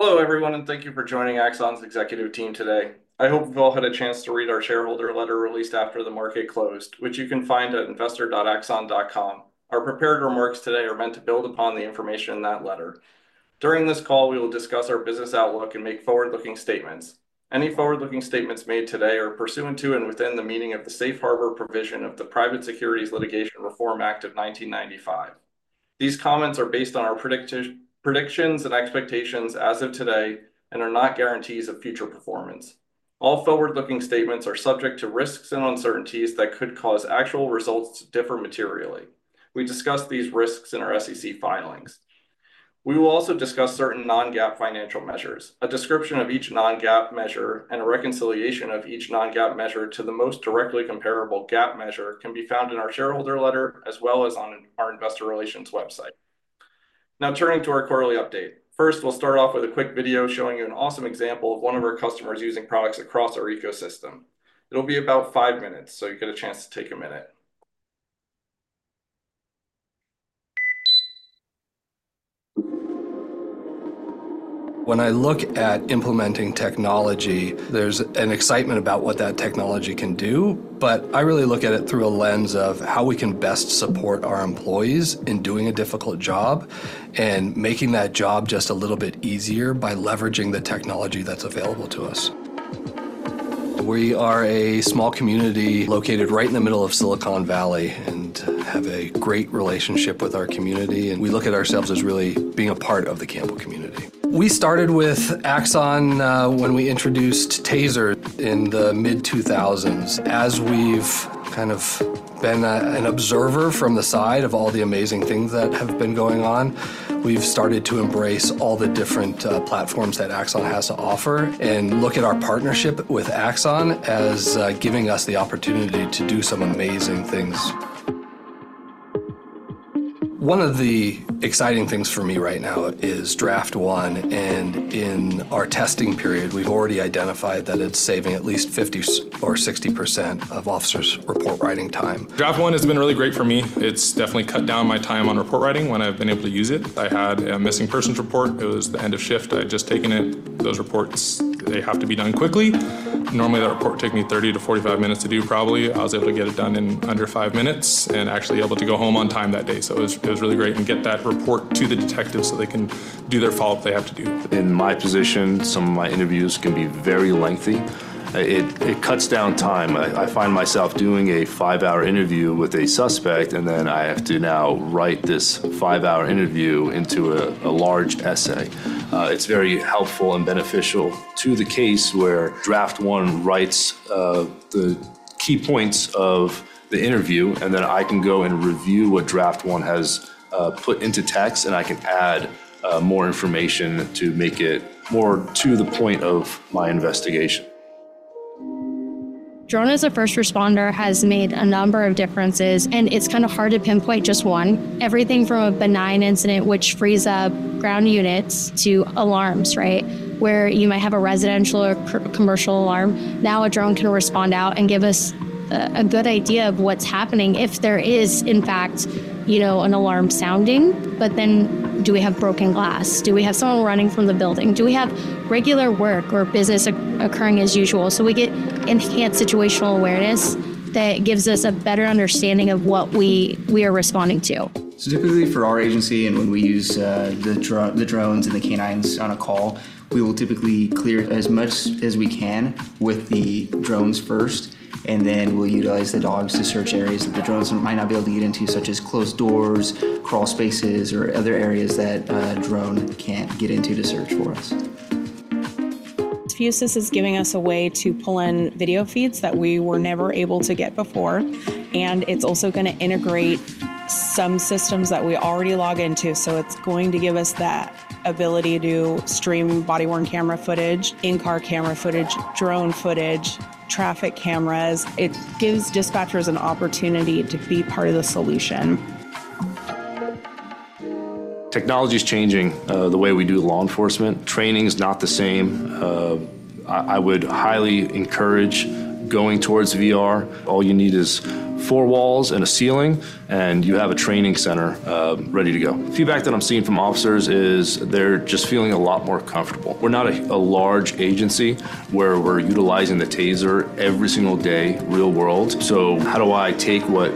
Hello, everyone, and thank you for joining Axon's executive team today. I hope you've all had a chance to read our shareholder letter released after the market closed, which you can find at investor.axon.com. Our prepared remarks today are meant to build upon the information in that letter. During this call, we will discuss our business outlook and make forward-looking statements. Any forward-looking statements made today are pursuant to and within the meaning of the safe harbor provision of the Private Securities Litigation Reform Act of 1995. These comments are based on our predictions and expectations as of today and are not guarantees of future performance. All forward-looking statements are subject to risks and uncertainties that could cause actual results to differ materially. We discuss these risks in our SEC filings. We will also discuss certain non-GAAP financial measures. A description of each non-GAAP measure and a reconciliation of each non-GAAP measure to the most directly comparable GAAP measure can be found in our shareholder letter as well as on our investor relations website. Now, turning to our quarterly update. First, we'll start off with a quick video showing you an awesome example of one of our customers using products across our ecosystem. It'll be about five minutes, so you get a chance to take a minute. When I look at implementing technology, there's an excitement about what that technology can do, but I really look at it through a lens of how we can best support our employees in doing a difficult job and making that job just a little bit easier by leveraging the technology that's available to us. We are a small community located right in the middle of Silicon Valley and have a great relationship with our community. And we look at ourselves as really being a part of the Campbell community. We started with Axon when we introduced Taser in the mid-2000s. As we've kind of been an observer from the side of all the amazing things that have been going on, we've started to embrace all the different platforms that Axon has to offer and look at our partnership with Axon as giving us the opportunity to do some amazing things. One of the exciting things for me right now is Draft One, and in our testing period, we've already identified that it's saving at least 50% or 60% of officers' report writing time. Draft One has been really great for me. It's definitely cut down my time on report writing when I've been able to use it. I had a missing person's report. It was the end of shift. I had just taken it. Those reports, they have to be done quickly. Normally, that report would take me 30 minutes-45 minutes to do, probably. I was able to get it done in under five minutes and actually able to go home on time that day. So it was really great and get that report to the detectives so they can do their follow-up they have to do. In my position, some of my interviews can be very lengthy. It cuts down time. I find myself doing a five-hour interview with a suspect, and then I have to now write this five-hour interview into a large essay. It's very helpful and beneficial to the case where Draft One writes the key points of the interview, and then I can go and review what Draft One has put into text, and I can add more information to make it more to the point of my investigation. Drone, as a first responder, has made a number of differences, and it's kind of hard to pinpoint just one. Everything from a benign incident, which frees up ground units, to alarms, right, where you might have a residential or commercial alarm. Now a drone can respond out and give us a good idea of what's happening if there is, in fact, you know, an alarm sounding. But then do we have broken glass? Do we have someone running from the building? Do we have regular work or business occurring as usual? So we get enhanced situational awareness that gives us a better understanding of what we are responding to. So typically for our agency and when we use the drones and the canines on a call, we will typically clear as much as we can with the drones first, and then we'll utilize the dogs to search areas that the drones might not be able to get into, such as closed doors, crawl spaces, or other areas that a drone can't get into to search for us. Fusus is giving us a way to pull in video feeds that we were never able to get before. And it's also going to integrate some systems that we already log into. So it's going to give us that ability to stream body-worn camera footage, in-car camera footage, drone footage, traffic cameras. It gives dispatchers an opportunity to be part of the solution. Technology is changing the way we do law enforcement. Training is not the same. I would highly encourage going towards VR. All you need is four walls and a ceiling, and you have a training center ready to go. Feedback that I'm seeing from officers is they're just feeling a lot more comfortable. We're not a large agency where we're utilizing the Taser every single day, real world. So how do I take what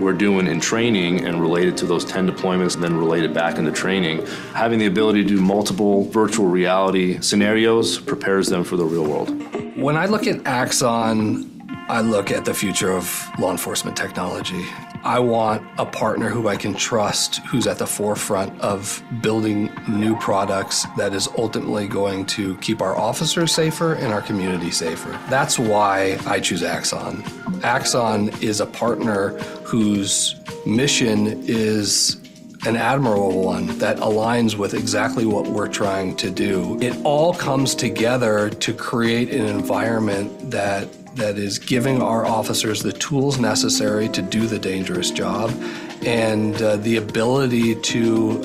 we're doing in training and relate it to those 10 deployments, then relate it back into training? Having the ability to do multiple virtual reality scenarios prepares them for the real world. When I look at Axon, I look at the future of law enforcement technology. I want a partner who I can trust, who's at the forefront of building new products that is ultimately going to keep our officers safer and our community safer. That's why I choose Axon. Axon is a partner whose mission is an admirable one that aligns with exactly what we're trying to do. It all comes together to create an environment that is giving our officers the tools necessary to do the dangerous job and the ability to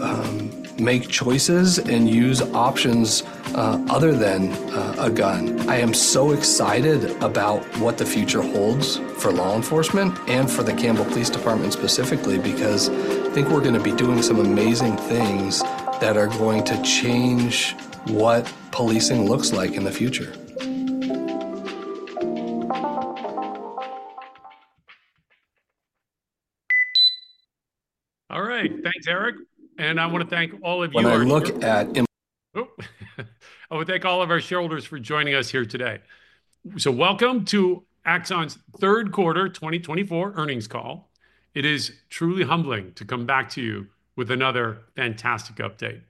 make choices and use options other than a gun. I am so excited about what the future holds for law enforcement and for the Campbell Police Department specifically because I think we're going to be doing some amazing things that are going to change what policing looks like in the future. All right. Thanks, Eric. And I want to thank all of you. When I look at. I want to thank all of our shareholders for joining us here today, so welcome to Axon's third quarter 2024 earnings call. It is truly humbling to come back to you with another fantastic update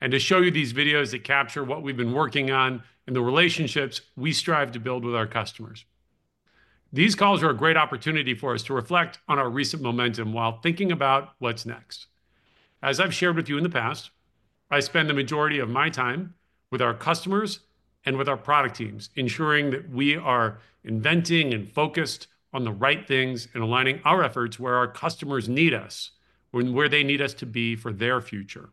and to show you these videos that capture what we've been working on and the relationships we strive to build with our customers. These calls are a great opportunity for us to reflect on our recent momentum while thinking about what's next. As I've shared with you in the past, I spend the majority of my time with our customers and with our product teams, ensuring that we are inventing and focused on the right things and aligning our efforts where our customers need us and where they need us to be for their future.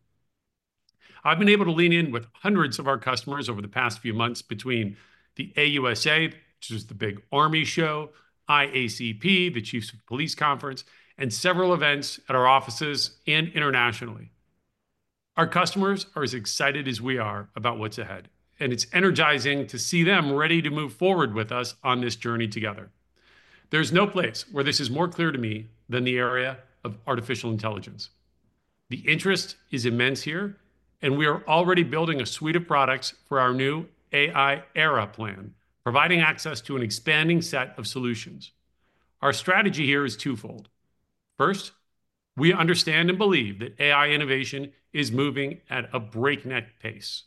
I've been able to lean in with hundreds of our customers over the past few months between the AUSA, which is the big army show, IACP, the Chiefs of Police Conference, and several events at our offices and internationally. Our customers are as excited as we are about what's ahead, and it's energizing to see them ready to move forward with us on this journey together. There's no place where this is more clear to me than the area of artificial intelligence. The interest is immense here, and we are already building a suite of products for our new AI era plan, providing access to an expanding set of solutions. Our strategy here is twofold. First, we understand and believe that AI innovation is moving at a breakneck pace.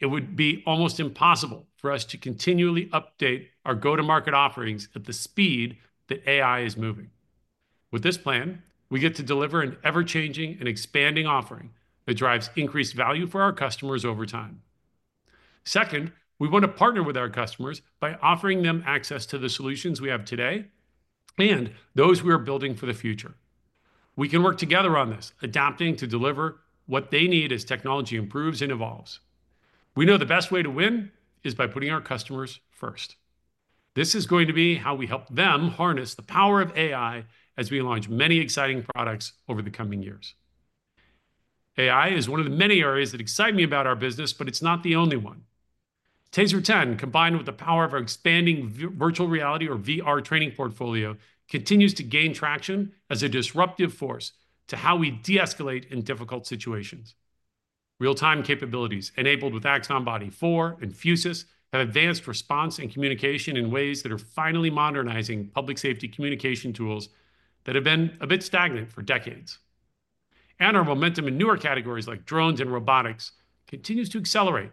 It would be almost impossible for us to continually update our go-to-market offerings at the speed that AI is moving. With this plan, we get to deliver an ever-changing and expanding offering that drives increased value for our customers over time. Second, we want to partner with our customers by offering them access to the solutions we have today and those we are building for the future. We can work together on this, adapting to deliver what they need as technology improves and evolves. We know the best way to win is by putting our customers first. This is going to be how we help them harness the power of AI as we launch many exciting products over the coming years. AI is one of the many areas that excite me about our business, but it's not the only one. Taser 10, combined with the power of our expanding virtual reality or VR training portfolio, continues to gain traction as a disruptive force to how we de-escalate in difficult situations. Real-time capabilities enabled with Axon Body 4 and Fusus have advanced response and communication in ways that are finally modernizing public safety communication tools that have been a bit stagnant for decades, and our momentum in newer categories like drones and robotics continues to accelerate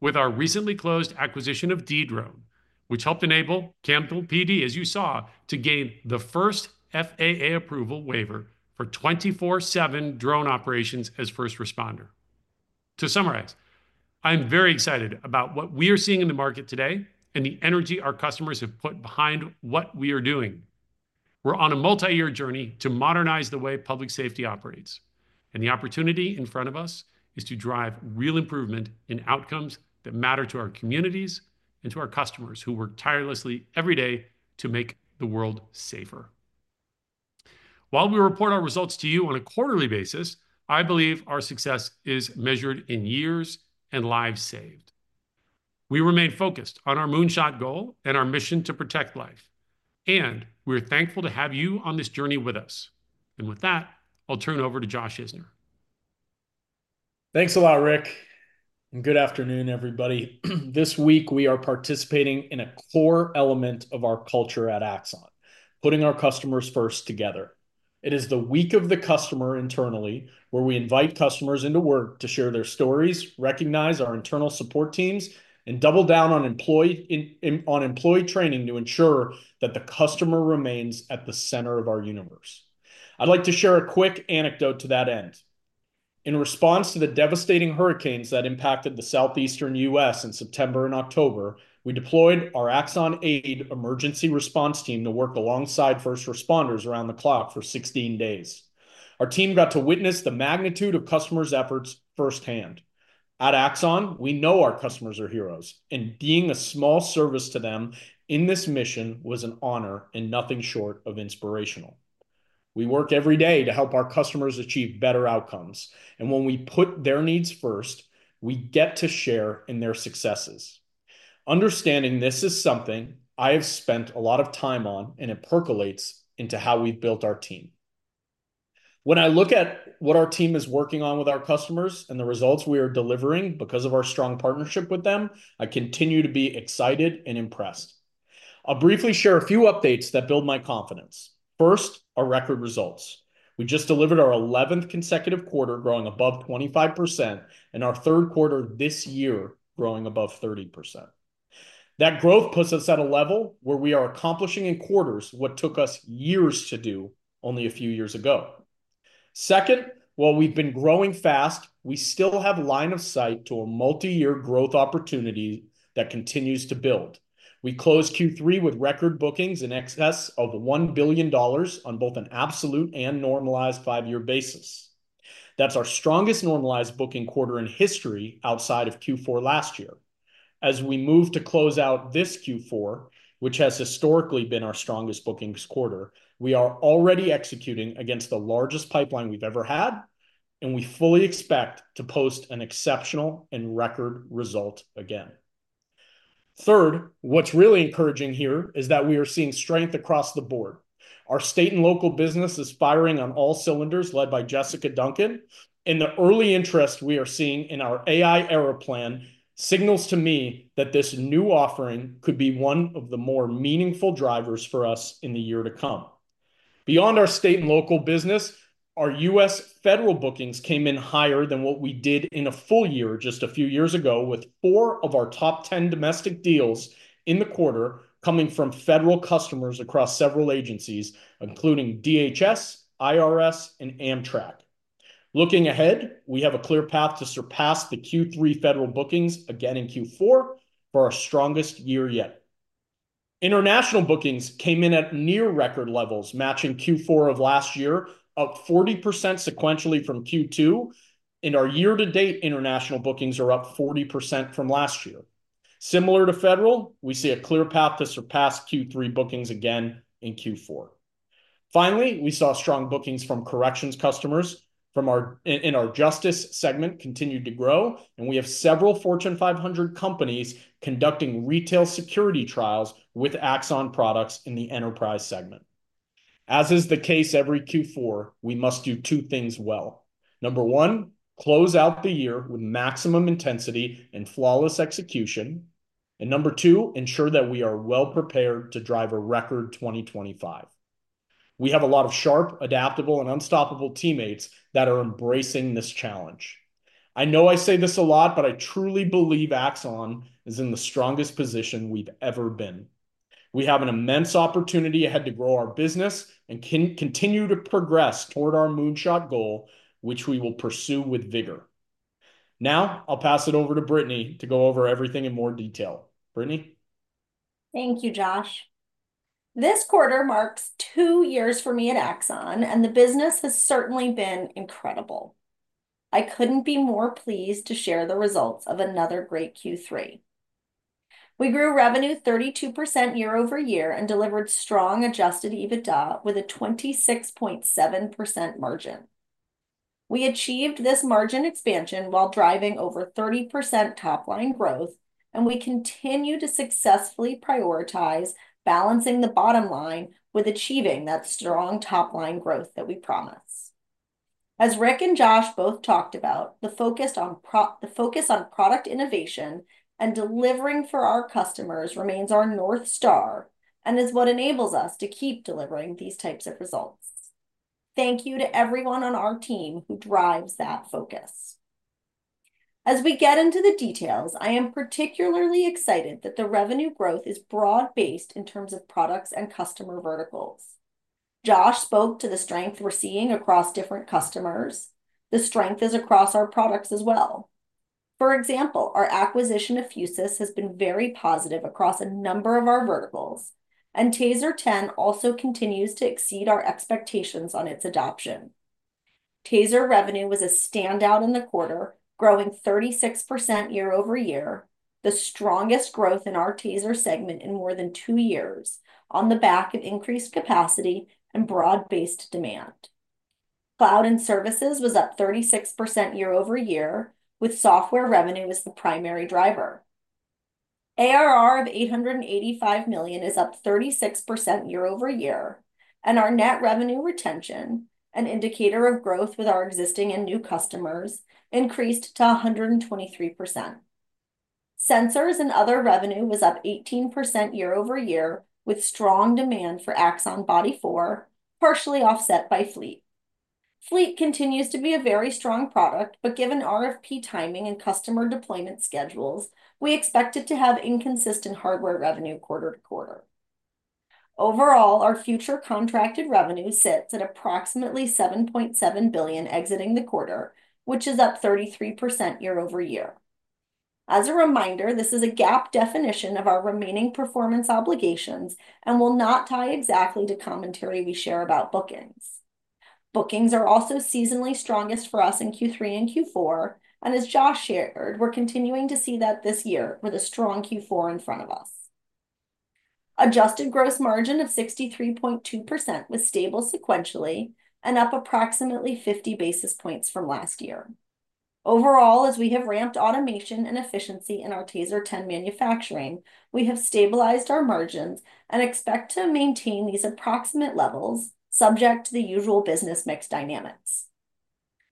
with our recently closed acquisition of Dedrone, which helped enable Campbell PD, as you saw, to gain the first FAA approval waiver for 24/7 drone operations as first responder. To summarize, I'm very excited about what we are seeing in the market today and the energy our customers have put behind what we are doing. We're on a multi-year journey to modernize the way public safety operates, and the opportunity in front of us is to drive real improvement in outcomes that matter to our communities and to our customers who work tirelessly every day to make the world safer. While we report our results to you on a quarterly basis, I believe our success is measured in years and lives saved. We remain focused on our Moonshot Goal and our mission to protect life, and we're thankful to have you on this journey with us. And with that, I'll turn it over to Josh Isner. Thanks a lot, Rick. And good afternoon, everybody. This week, we are participating in a core element of our culture at Axon, putting our customers first together. It is the week of the customer internally where we invite customers into work to share their stories, recognize our internal support teams, and double down on employee training to ensure that the customer remains at the center of our universe. I'd like to share a quick anecdote to that end. In response to the devastating hurricanes that impacted the Southeastern U.S. In September and October, we deployed our Axon Aid emergency response team to work alongside first responders around the clock for 16 days. Our team got to witness the magnitude of customers' efforts firsthand. At Axon, we know our customers are heroes, and being a small service to them in this mission was an honor and nothing short of inspirational. We work every day to help our customers achieve better outcomes, and when we put their needs first, we get to share in their successes. Understanding this is something I have spent a lot of time on, and it percolates into how we've built our team. When I look at what our team is working on with our customers and the results we are delivering because of our strong partnership with them, I continue to be excited and impressed. I'll briefly share a few updates that build my confidence. First, our record results. We just delivered our 11th consecutive quarter, growing above 25%, and our third quarter this year, growing above 30%. That growth puts us at a level where we are accomplishing in quarters what took us years to do only a few years ago. Second, while we've been growing fast, we still have line of sight to a multi-year growth opportunity that continues to build. We closed Q3 with record bookings in excess of $1 billion on both an absolute and normalized five-year basis. That's our strongest normalized booking quarter in history outside of Q4 last year. As we move to close out this Q4, which has historically been our strongest bookings quarter, we are already executing against the largest pipeline we've ever had, and we fully expect to post an exceptional and record result again. Third, what's really encouraging here is that we are seeing strength across the board. Our state and local business is firing on all cylinders, led by Jessica Duncan, and the early interest we are seeing in our AI era plan signals to me that this new offering could be one of the more meaningful drivers for us in the year to come. Beyond our state and local business, our U.S. federal bookings came in higher than what we did in a full year just a few years ago, with four of our top 10 domestic deals in the quarter coming from federal customers across several agencies, including DHS, IRS, and Amtrak. Looking ahead, we have a clear path to surpass the Q3 federal bookings again in Q4 for our strongest year yet. International bookings came in at near record levels, matching Q4 of last year, up 40% sequentially from Q2, and our year-to-date international bookings are up 40% from last year. Similar to federal, we see a clear path to surpass Q3 bookings again in Q4. Finally, we saw strong bookings from corrections customers in our justice segment continue to grow, and we have several Fortune 500 companies conducting retail security trials with Axon products in the enterprise segment. As is the case every Q4, we must do two things well. Number one, close out the year with maximum intensity and flawless execution, and number two, ensure that we are well prepared to drive a record 2025. We have a lot of sharp, adaptable, and unstoppable teammates that are embracing this challenge. I know I say this a lot, but I truly believe Axon is in the strongest position we've ever been. We have an immense opportunity ahead to grow our business and continue to progress toward our Moonshot Goal, which we will pursue with vigor. Now, I'll pass it over to Brittany to go over everything in more detail. Brittany. Thank you, Josh. This quarter marks two years for me at Axon, and the business has certainly been incredible. I couldn't be more pleased to share the results of another great Q3. We grew revenue 32% year-over-year and delivered strong Adjusted EBITDA with a 26.7% margin. We achieved this margin expansion while driving over 30% top-line growth, and we continue to successfully prioritize balancing the bottom line with achieving that strong top-line growth that we promised. As Rick and Josh both talked about, the focus on product innovation and delivering for our customers remains our north star and is what enables us to keep delivering these types of results. Thank you to everyone on our team who drives that focus. As we get into the details, I am particularly excited that the revenue growth is broad-based in terms of products and customer verticals. Josh spoke to the strength we're seeing across different customers. The strength is across our products as well. For example, our acquisition of Fusus has been very positive across a number of our verticals, and Taser 10 also continues to exceed our expectations on its adoption. Taser revenue was a standout in the quarter, growing 36% year-over-year, the strongest growth in our Taser segment in more than two years on the back of increased capacity and broad-based demand. Cloud and services was up 36% year-over-year, with software revenue as the primary driver. ARR of $885 million is up 36% year-over-year, and our net revenue retention, an indicator of growth with our existing and new customers, increased to 123%. Sensors and other revenue was up 18% year-over-year, with strong demand for Axon Body 4, partially offset by Fleet. Fleet continues to be a very strong product, but given RFP timing and customer deployment schedules, we expect it to have inconsistent hardware revenue quarter to quarter. Overall, our future contracted revenue sits at approximately $7.7 billion exiting the quarter, which is up 33% year-over-year. As a reminder, this is a GAAP definition of our remaining performance obligations and will not tie exactly to commentary we share about bookings. Bookings are also seasonally strongest for us in Q3 and Q4, and as Josh shared, we're continuing to see that this year with a strong Q4 in front of us. Adjusted gross margin of 63.2% was stable sequentially and up approximately 50 basis points from last year. Overall, as we have ramped automation and efficiency in our Taser 10 manufacturing, we have stabilized our margins and expect to maintain these approximate levels subject to the usual business mix dynamics.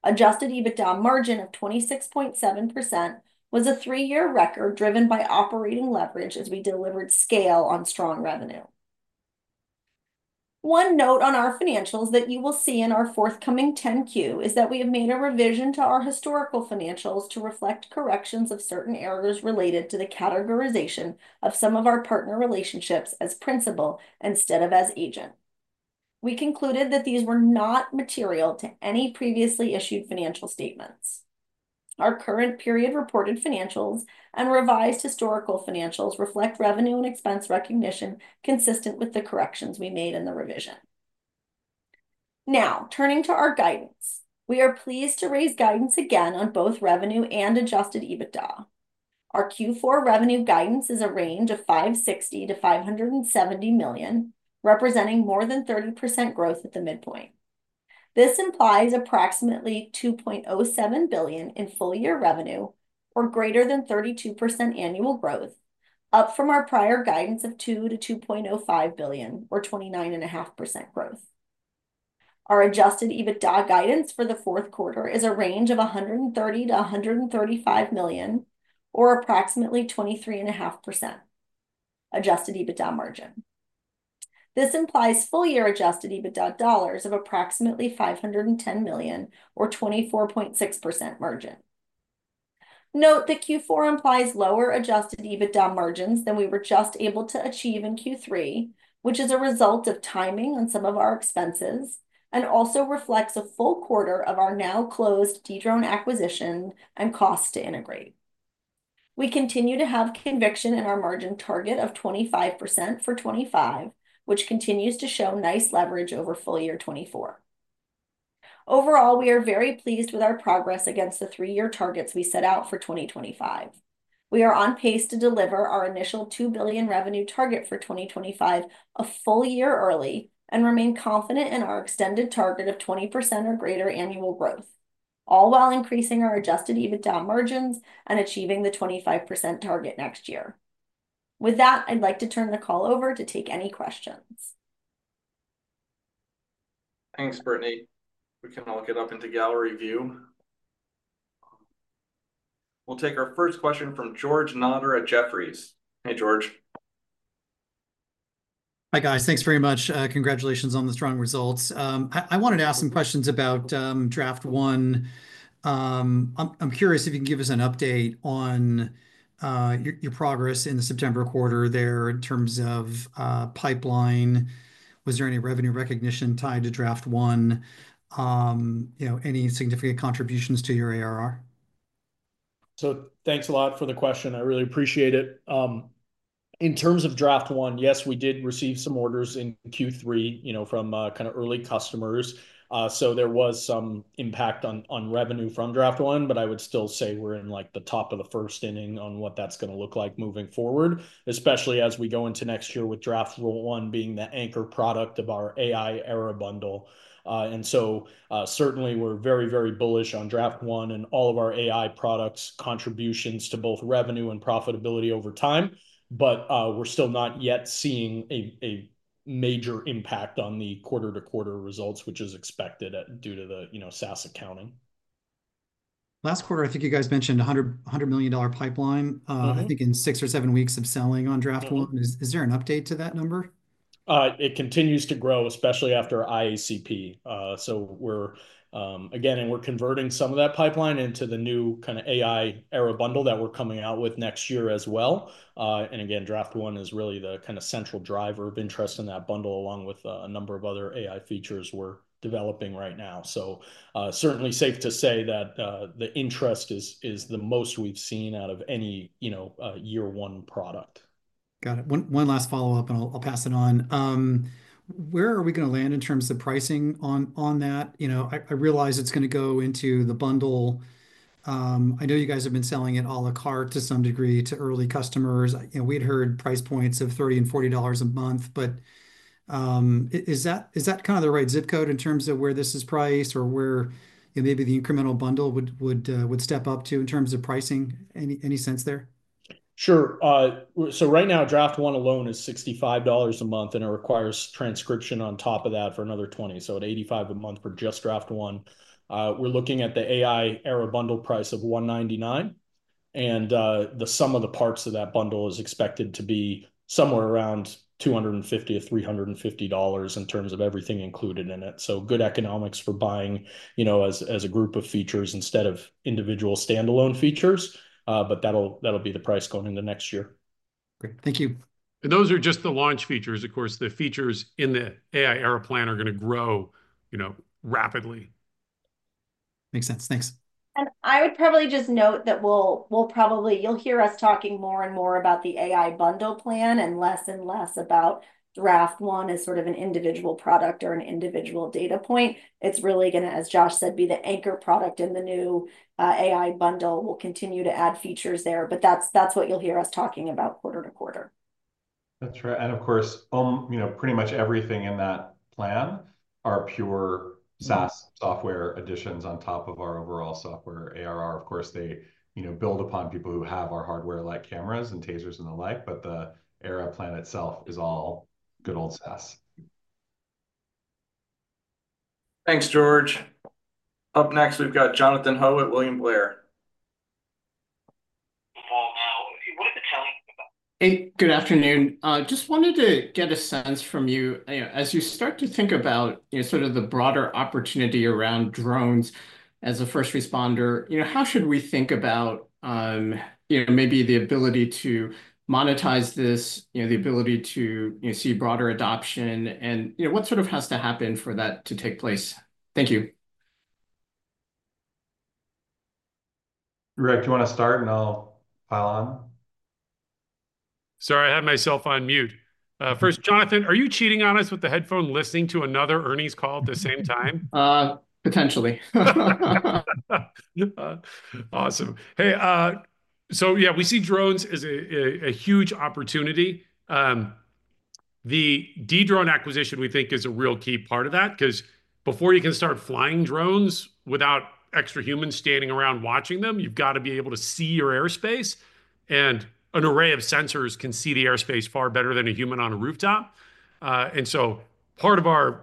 Adjusted EBITDA margin of 26.7% was a three-year record driven by operating leverage as we delivered scale on strong revenue. One note on our financials that you will see in our forthcoming 10-Q is that we have made a revision to our historical financials to reflect corrections of certain errors related to the categorization of some of our partner relationships as principal instead of as agent. We concluded that these were not material to any previously issued financial statements. Our current period reported financials and revised historical financials reflect revenue and expense recognition consistent with the corrections we made in the revision. Now, turning to our guidance, we are pleased to raise guidance again on both revenue and adjusted EBITDA. Our Q4 revenue guidance is a range of $560-$570 million, representing more than 30% growth at the midpoint. This implies approximately $2.07 billion in full-year revenue or greater than 32% annual growth, up from our prior guidance of $2 billion-$2.05 billion or 29.5% growth. Our Adjusted EBITDA guidance for the fourth quarter is a range of $130 million-$135 million or approximately 23.5% Adjusted EBITDA margin. This implies full-year Adjusted EBITDA dollars of approximately $510 million or 24.6% margin. Note that Q4 implies lower Adjusted EBITDA margins than we were just able to achieve in Q3, which is a result of timing on some of our expenses and also reflects a full quarter of our now-closed Dedrone acquisition and cost to integrate. We continue to have conviction in our margin target of 25% for 2025, which continues to show nice leverage over full-year 2024. Overall, we are very pleased with our progress against the three-year targets we set out for 2025. We are on pace to deliver our initial $2 billion revenue target for 2025 a full year early and remain confident in our extended target of 20% or greater annual growth, all while increasing our Adjusted EBITDA margins and achieving the 25% target next year. With that, I'd like to turn the call over to take any questions. Thanks, Brittany. We can all get up into gallery view. We'll take our first question from George Notter at Jefferies. Hey, George. Hi guys, thanks very much. Congratulations on the strong results. I wanted to ask some questions about Draft One. I'm curious if you can give us an update on your progress in the September quarter there in terms of pipeline. Was there any revenue recognition tied to Draft One? You know, any significant contributions to your ARR? Thanks a lot for the question. I really appreciate it. In terms of Draft One, yes, we did receive some orders in Q3, you know, from kind of early customers. So there was some impact on revenue from Draft One, but I would still say we're in like the top of the first inning on what that's going to look like moving forward, especially as we go into next year with Draft One being the anchor product of our AI era bundle. And so certainly we're very, very bullish on Draft One and all of our AI products' contributions to both revenue and profitability over time, but we're still not yet seeing a major impact on the quarter-to-quarter results, which is expected due to the, you know, SaaS accounting. Last quarter, I think you guys mentioned $100 million pipeline, I think in six or seven weeks of selling on Draft One. Is there an update to that number? It continues to grow, especially after IACP. So we're again, and we're converting some of that pipeline into the new kind of AI era bundle that we're coming out with next year as well. And again, Draft One is really the kind of central driver of interest in that bundle, along with a number of other AI features we're developing right now. So certainly safe to say that the interest is the most we've seen out of any, you know, year one product. Got it. One last follow-up, and I'll pass it on. Where are we going to land in terms of pricing on that? You know, I realize it's going to go into the bundle. I know you guys have been selling it à la carte to some degree to early customers. You know, we'd heard price points of $30 and $40 a month, but is that kind of the right zip code in terms of where this is priced or where maybe the incremental bundle would step up to in terms of pricing? Any sense there? Sure. So right now, Draft One alone is $65 a month, and it requires transcription on top of that for another $20. So at $85 a month for just Draft One, we're looking at the AI era bundle price of $199. And the sum of the parts of that bundle is expected to be somewhere around $250-$350 in terms of everything included in it. So good economics for buying, you know, as a group of features instead of individual standalone features, but that'll be the price going into next year. Great. Thank you. Those are just the launch features. Of course, the features in the AI era plan are going to grow, you know, rapidly. Makes sense. Thanks. I would probably just note that we'll probably, you'll hear us talking more and more about the AI bundle plan and less and less about Draft One as sort of an individual product or an individual data point. It's really going to, as Josh said, be the anchor product in the new AI bundle. We'll continue to add features there, but that's what you'll hear us talking about quarter to quarter. That's right, and of course, you know, pretty much everything in that plan are pure SaaS software additions on top of our overall software ARR. Of course, they, you know, build upon people who have our hardware like cameras and Tasers and the like, but the OSP plan itself is all good old SaaS. Thanks, George. Up next, we've got Jonathan Ho at William Blair. Good afternoon. Just wanted to get a sense from you, you know, as you start to think about, you know, sort of the broader opportunity around drones as a first responder, you know, how should we think about, you know, maybe the ability to monetize this, you know, the ability to, you know, see broader adoption and, you know, what sort of has to happen for that to take place? Thank you. Rick, do you want to start and I'll pile on? Sorry, I had myself on mute. First, Jonathan, are you cheating on us with the headphones listening to another earnings call at the same time? Potentially. Awesome. Hey, so yeah, we see drones as a huge opportunity. The Dedrone acquisition we think is a real key part of that because before you can start flying drones without extra humans standing around watching them, you've got to be able to see your airspace. And an array of sensors can see the airspace far better than a human on a rooftop, and so part of our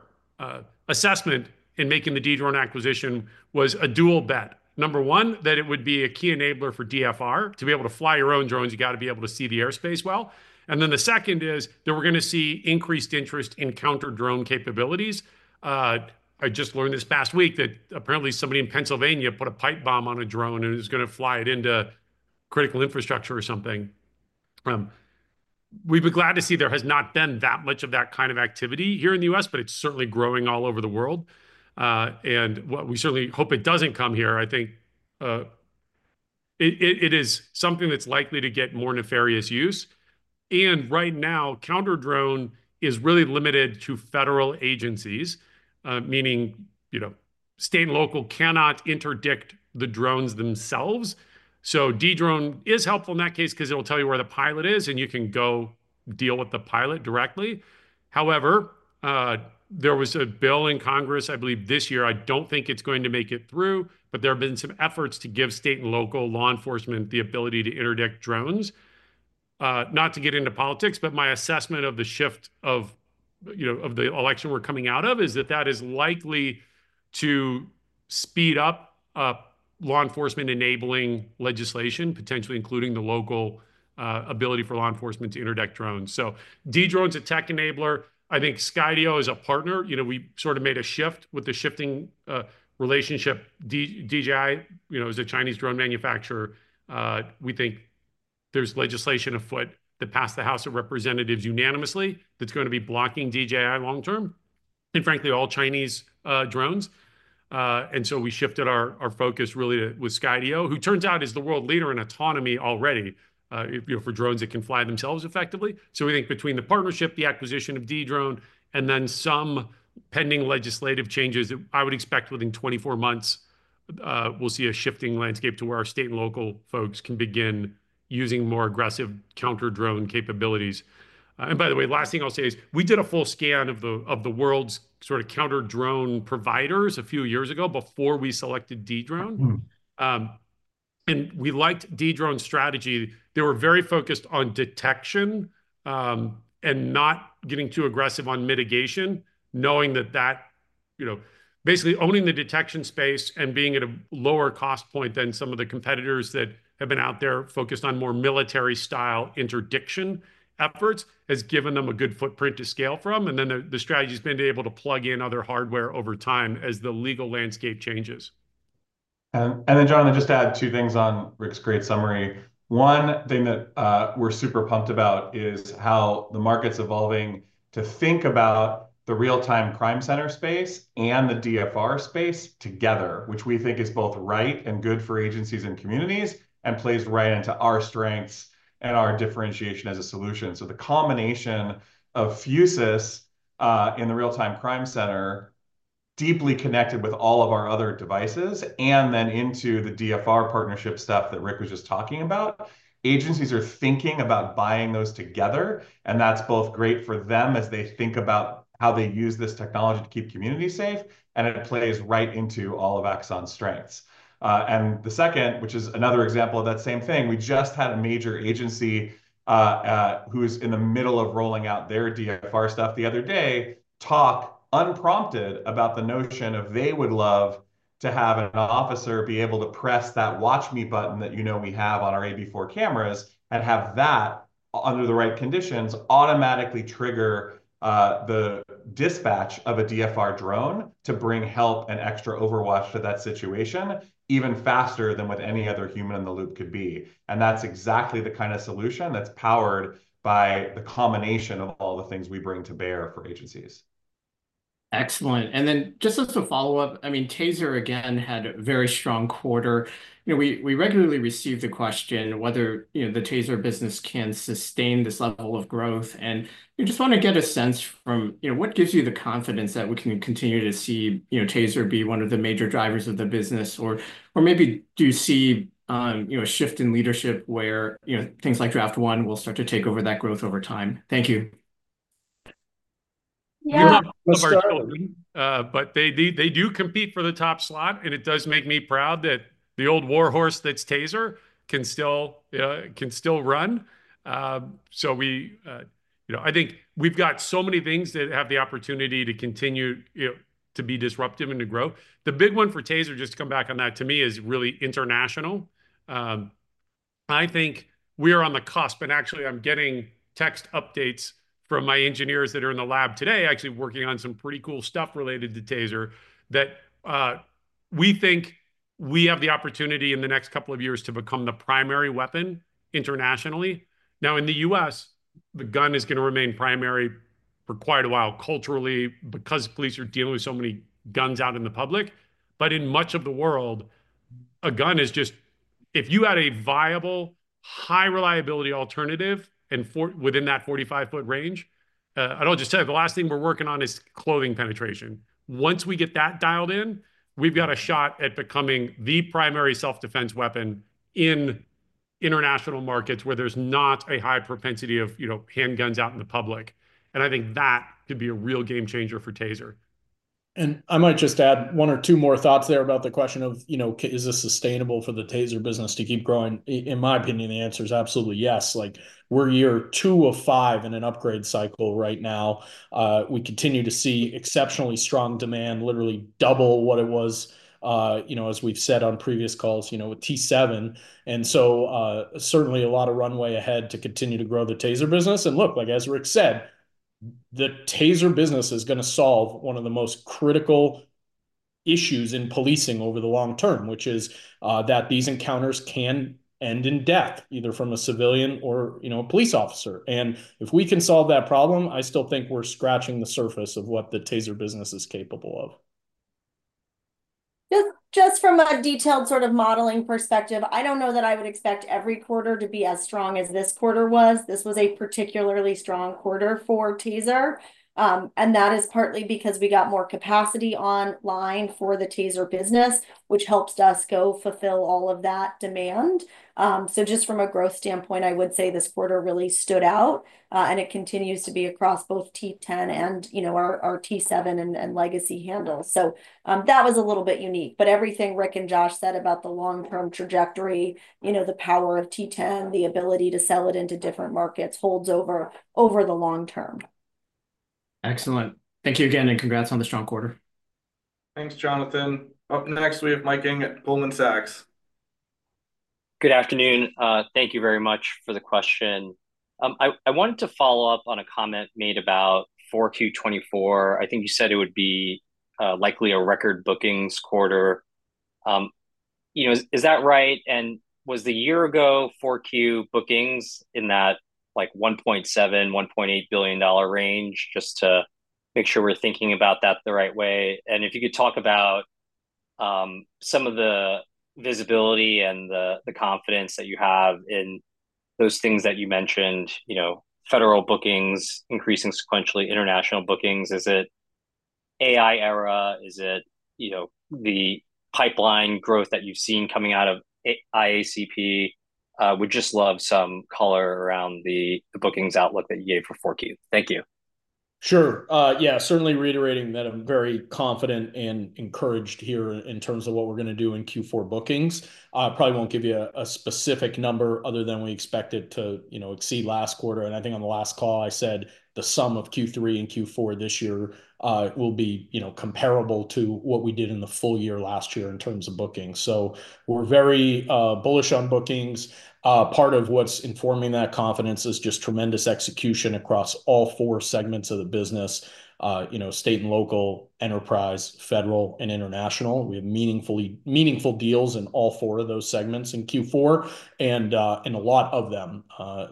assessment in making the Dedrone acquisition was a dual bet. Number one, that it would be a key enabler for DFR. To be able to fly your own drones, you got to be able to see the airspace well, and then the second is that we're going to see increased interest in counter-drone capabilities. I just learned this past week that apparently somebody in Pennsylvania put a pipe bomb on a drone and it was going to fly it into critical infrastructure or something. We've been glad to see there has not been that much of that kind of activity here in the U.S., but it's certainly growing all over the world, and we certainly hope it doesn't come here. I think it is something that's likely to get more nefarious use, and right now, counter-drone is really limited to federal agencies, meaning, you know, state and local cannot interdict the drones themselves, so Dedrone is helpful in that case because it'll tell you where the pilot is and you can go deal with the pilot directly. However, there was a bill in Congress, I believe this year. I don't think it's going to make it through, but there have been some efforts to give state and local law enforcement the ability to interdict drones. Not to get into politics, but my assessment of the shift of, you know, of the election we're coming out of is that that is likely to speed up law enforcement enabling legislation, potentially including the local ability for law enforcement to interdict drones. So Dedrone's a tech enabler. I think Skydio is a partner. You know, we sort of made a shift with the shifting relationship. DJI, you know, is a Chinese drone manufacturer. We think there's legislation afoot that passed the House of Representatives unanimously that's going to be blocking DJI long-term and frankly, all Chinese drones. We shifted our focus really with Skydio, who turns out is the world leader in autonomy already, you know, for drones that can fly themselves effectively. We think between the partnership, the acquisition of Dedrone, and then some pending legislative changes that I would expect within 24 months, we'll see a shifting landscape to where our state and local folks can begin using more aggressive counter-drone capabilities. By the way, last thing I'll say is we did a full scan of the world's sort of counter-drone providers a few years ago before we selected Dedrone. We liked Dedrone's strategy. They were very focused on detection and not getting too aggressive on mitigation, knowing that, you know, basically owning the detection space and being at a lower cost point than some of the competitors that have been out there focused on more military-style interdiction efforts has given them a good footprint to scale from. And then the strategy has been to be able to plug in other hardware over time as the legal landscape changes. And then Jonathan, just to add two things on Rick's great summary. One thing that we're super pumped about is how the market's evolving to think about the real-time crime center space and the DFR space together, which we think is both right and good for agencies and communities and plays right into our strengths and our differentiation as a solution. So the combination of Fusus in the real-time crime center, deeply connected with all of our other devices, and then into the DFR partnership stuff that Rick was just talking about, agencies are thinking about buying those together. And that's both great for them as they think about how they use this technology to keep communities safe. And it plays right into all of Axon's strengths. And the second, which is another example of that same thing, we just had a major agency who's in the middle of rolling out their DFR stuff the other day talk unprompted about the notion of they would love to have an officer be able to press that watch me button that, you know, we have on our AB4 cameras and have that under the right conditions automatically trigger the dispatch of a DFR drone to bring help and extra overwatch to that situation even faster than with any other human in the loop could be. And that's exactly the kind of solution that's powered by the combination of all the things we bring to bear for agencies. Excellent. And then just as a follow-up, I mean, Taser again had a very strong quarter. You know, we regularly receive the question whether, you know, the Taser business can sustain this level of growth. And we just want to get a sense from, you know, what gives you the confidence that we can continue to see, you know, Taser be one of the major drivers of the business? Or maybe do you see, you know, a shift in leadership where, you know, things like Draft One will start to take over that growth over time? Thank you. Yeah. But they do compete for the top slot. And it does make me proud that the old warhorse that's Taser can still, you know, can still run. So we, you know, I think we've got so many things that have the opportunity to continue, you know, to be disruptive and to grow. The big one for Taser, just to come back on that, to me is really international. I think we are on the cusp. And actually, I'm getting text updates from my engineers that are in the lab today actually working on some pretty cool stuff related to Taser that we think we have the opportunity in the next couple of years to become the primary weapon internationally. Now, in the U.S., the gun is going to remain primary for quite a while culturally because police are dealing with so many guns out in the public. But in much of the world, a gun is just, if you had a viable, high reliability alternative and within that 45-foot range, I don't just say the last thing we're working on is clothing penetration. Once we get that dialed in, we've got a shot at becoming the primary self-defense weapon in international markets where there's not a high propensity of, you know, handguns out in the public. And I think that could be a real game changer for Taser. And I might just add one or two more thoughts there about the question of, you know, is this sustainable for the Taser business to keep growing? In my opinion, the answer is absolutely yes. Like, we're year two of five in an upgrade cycle right now. We continue to see exceptionally strong demand literally double what it was, you know, as we've said on previous calls, you know, with T7. And so certainly a lot of runway ahead to continue to grow the Taser business. And look, like as Rick said, the Taser business is going to solve one of the most critical issues in policing over the long term, which is that these encounters can end in death either from a civilian or, you know, a police officer. If we can solve that problem, I still think we're scratching the surface of what the Taser business is capable of. Just from a detailed sort of modeling perspective, I don't know that I would expect every quarter to be as strong as this quarter was. This was a particularly strong quarter for Taser, and that is partly because we got more capacity online for the Taser business, which helps us go fulfill all of that demand. So just from a growth standpoint, I would say this quarter really stood out, and it continues to be across both T10 and, you know, our T7 and legacy handles. So that was a little bit unique, but everything Rick and Josh said about the long-term trajectory, you know, the power of T10, the ability to sell it into different markets holds over the long term. Excellent. Thank you again and congrats on the strong quarter. Thanks, Jonathan. Up next, we have Mike Ng at Goldman Sachs. Good afternoon. Thank you very much for the question. I wanted to follow up on a comment made about 4Q24. I think you said it would be likely a record bookings quarter. You know, is that right? And was the year ago 4Q bookings in that like $1.7 billion-$1.8 billion range? Just to make sure we're thinking about that the right way. And if you could talk about some of the visibility and the confidence that you have in those things that you mentioned, you know, federal bookings increasing sequentially, international bookings, is it AI era? Is it, you know, the pipeline growth that you've seen coming out of IACP? We'd just love some color around the bookings outlook that you gave for 4Q. Thank you. Sure. Yeah, certainly reiterating that I'm very confident and encouraged here in terms of what we're going to do in Q4 bookings. I probably won't give you a specific number other than we expect it to, you know, exceed last quarter. And I think on the last call, I said the sum of Q3 and Q4 this year will be, you know, comparable to what we did in the full year last year in terms of bookings. So we're very bullish on bookings. Part of what's informing that confidence is just tremendous execution across all four segments of the business, you know, state and local enterprise, federal, and international. We have meaningful deals in all four of those segments in Q4 and in a lot of them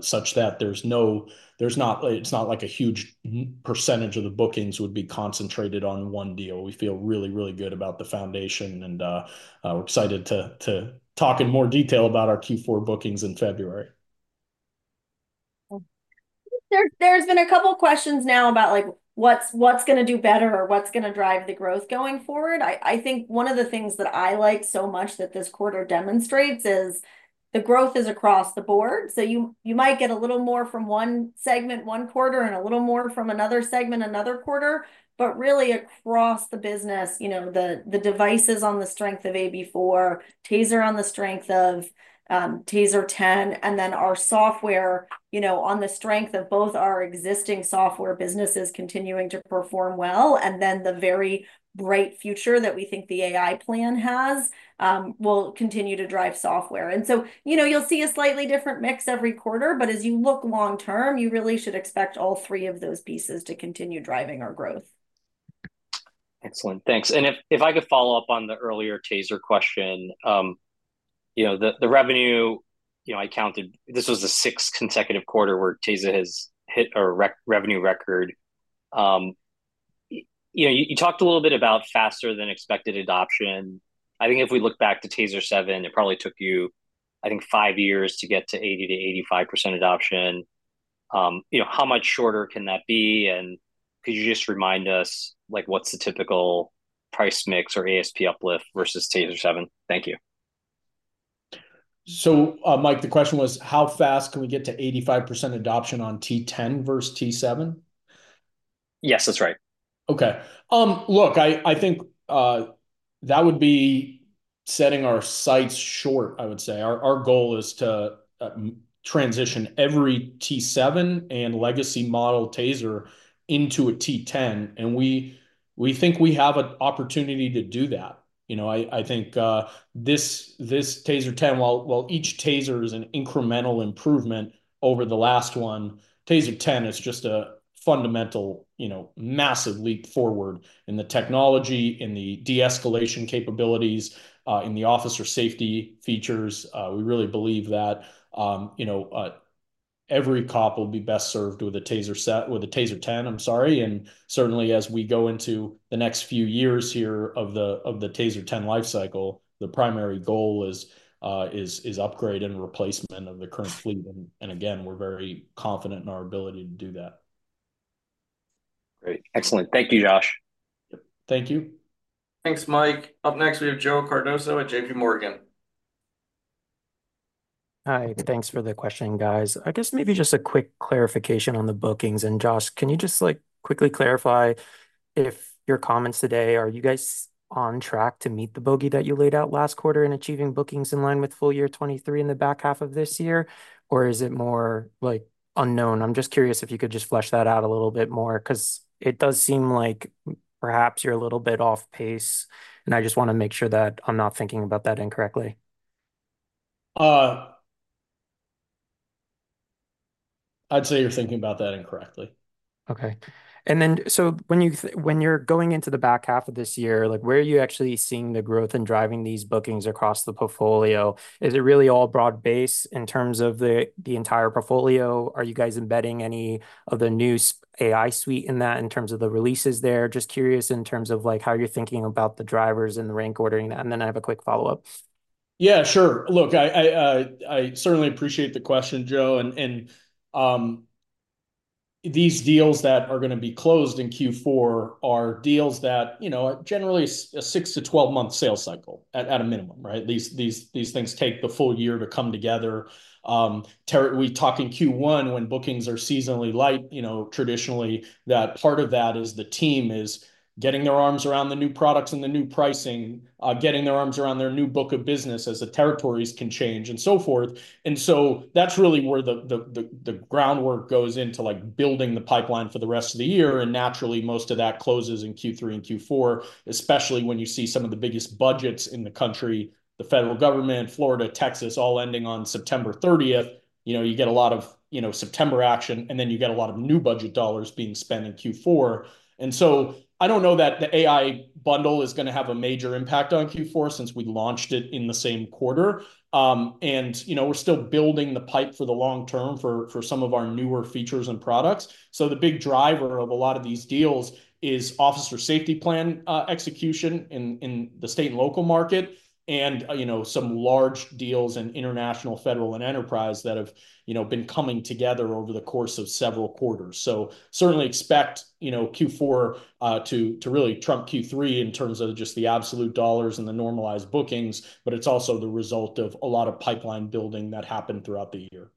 such that there's not, it's not like a huge percentage of the bookings would be concentrated on one deal. We feel really, really good about the foundation and we're excited to talk in more detail about our Q4 bookings in February. There's been a couple of questions now about like what's going to do better or what's going to drive the growth going forward. I think one of the things that I like so much that this quarter demonstrates is the growth is across the board. So you might get a little more from one segment, one quarter, and a little more from another segment, another quarter, but really across the business, you know, the devices on the strength of AB4, Taser on the strength of Taser 10, and then our software, you know, on the strength of both our existing software businesses continuing to perform well, and then the very bright future that we think the AI plan has will continue to drive software. And so, you know, you'll see a slightly different mix every quarter, but as you look long term, you really should expect all three of those pieces to continue driving our growth. Excellent. Thanks. And if I could follow up on the earlier Taser question, you know, the revenue, you know, I counted, this was the sixth consecutive quarter where Taser has hit a revenue record. You know, you talked a little bit about faster than expected adoption. I think if we look back to Taser 7, it probably took you, I think, five years to get to 80%-85% adoption. You know, how much shorter can that be? And could you just remind us like what's the typical price mix or ASP uplift versus Taser 7? Thank you. So Mike, the question was how fast can we get to 85% adoption on T10 versus T7? Yes, that's right. Okay. Look, I think that would be setting our sights short, I would say. Our goal is to transition every T7 and legacy model Taser into a T10. And we think we have an opportunity to do that. You know, I think this Taser 10, while each Taser is an incremental improvement over the last one, Taser 10 is just a fundamental, you know, massive leap forward in the technology, in the de-escalation capabilities, in the officer safety features. We really believe that, you know, every cop will be best served with a Taser 10, I'm sorry. And certainly as we go into the next few years here of the Taser 10 life cycle, the primary goal is upgrade and replacement of the current fleet. And again, we're very confident in our ability to do that. Great. Excellent. Thank you, Josh. Thank you. Thanks, Mike. Up next, we have Joe Cardoso at JPMorgan. Hi. Thanks for the question, guys. I guess maybe just a quick clarification on the bookings. And Josh, can you just like quickly clarify if your comments today, are you guys on track to meet the bogey that you laid out last quarter in achieving bookings in line with full year 2023 in the back half of this year? Or is it more like unknown? I'm just curious if you could just flesh that out a little bit more because it does seem like perhaps you're a little bit off pace. And I just want to make sure that I'm not thinking about that incorrectly. I'd say you're thinking about that incorrectly. Okay. And then so when you're going into the back half of this year, like where are you actually seeing the growth and driving these bookings across the portfolio? Is it really all broad base in terms of the entire portfolio? Are you guys embedding any of the new AI suite in that in terms of the releases there? Just curious in terms of like how you're thinking about the drivers and the rank ordering that. And then I have a quick follow-up. Yeah, sure. Look, I certainly appreciate the question, Joe. And these deals that are going to be closed in Q4 are deals that, you know, are generally a six- to 12-month sales cycle at a minimum, right? These things take the full year to come together. We talk in Q1 when bookings are seasonally light, you know, traditionally that part of that is the team is getting their arms around the new products and the new pricing, getting their arms around their new book of business as the territories can change and so forth. And so that's really where the groundwork goes into like building the pipeline for the rest of the year. And naturally, most of that closes in Q3 and Q4, especially when you see some of the biggest budgets in the country, the federal government, Florida, Texas, all ending on September 30th. You know, you get a lot of, you know, September action and then you get a lot of new budget dollars being spent in Q4, and so I don't know that the AI bundle is going to have a major impact on Q4 since we launched it in the same quarter, and, you know, we're still building the pipe for the long term for some of our newer features and products, so the big driver of a lot of these deals is officer safety plan execution in the state and local market and, you know, some large deals and international federal and enterprise that have, you know, been coming together over the course of several quarters. So certainly expect, you know, Q4 to really trump Q3 in terms of just the absolute dollars and the normalized bookings, but it's also the result of a lot of pipeline building that happened throughout the year.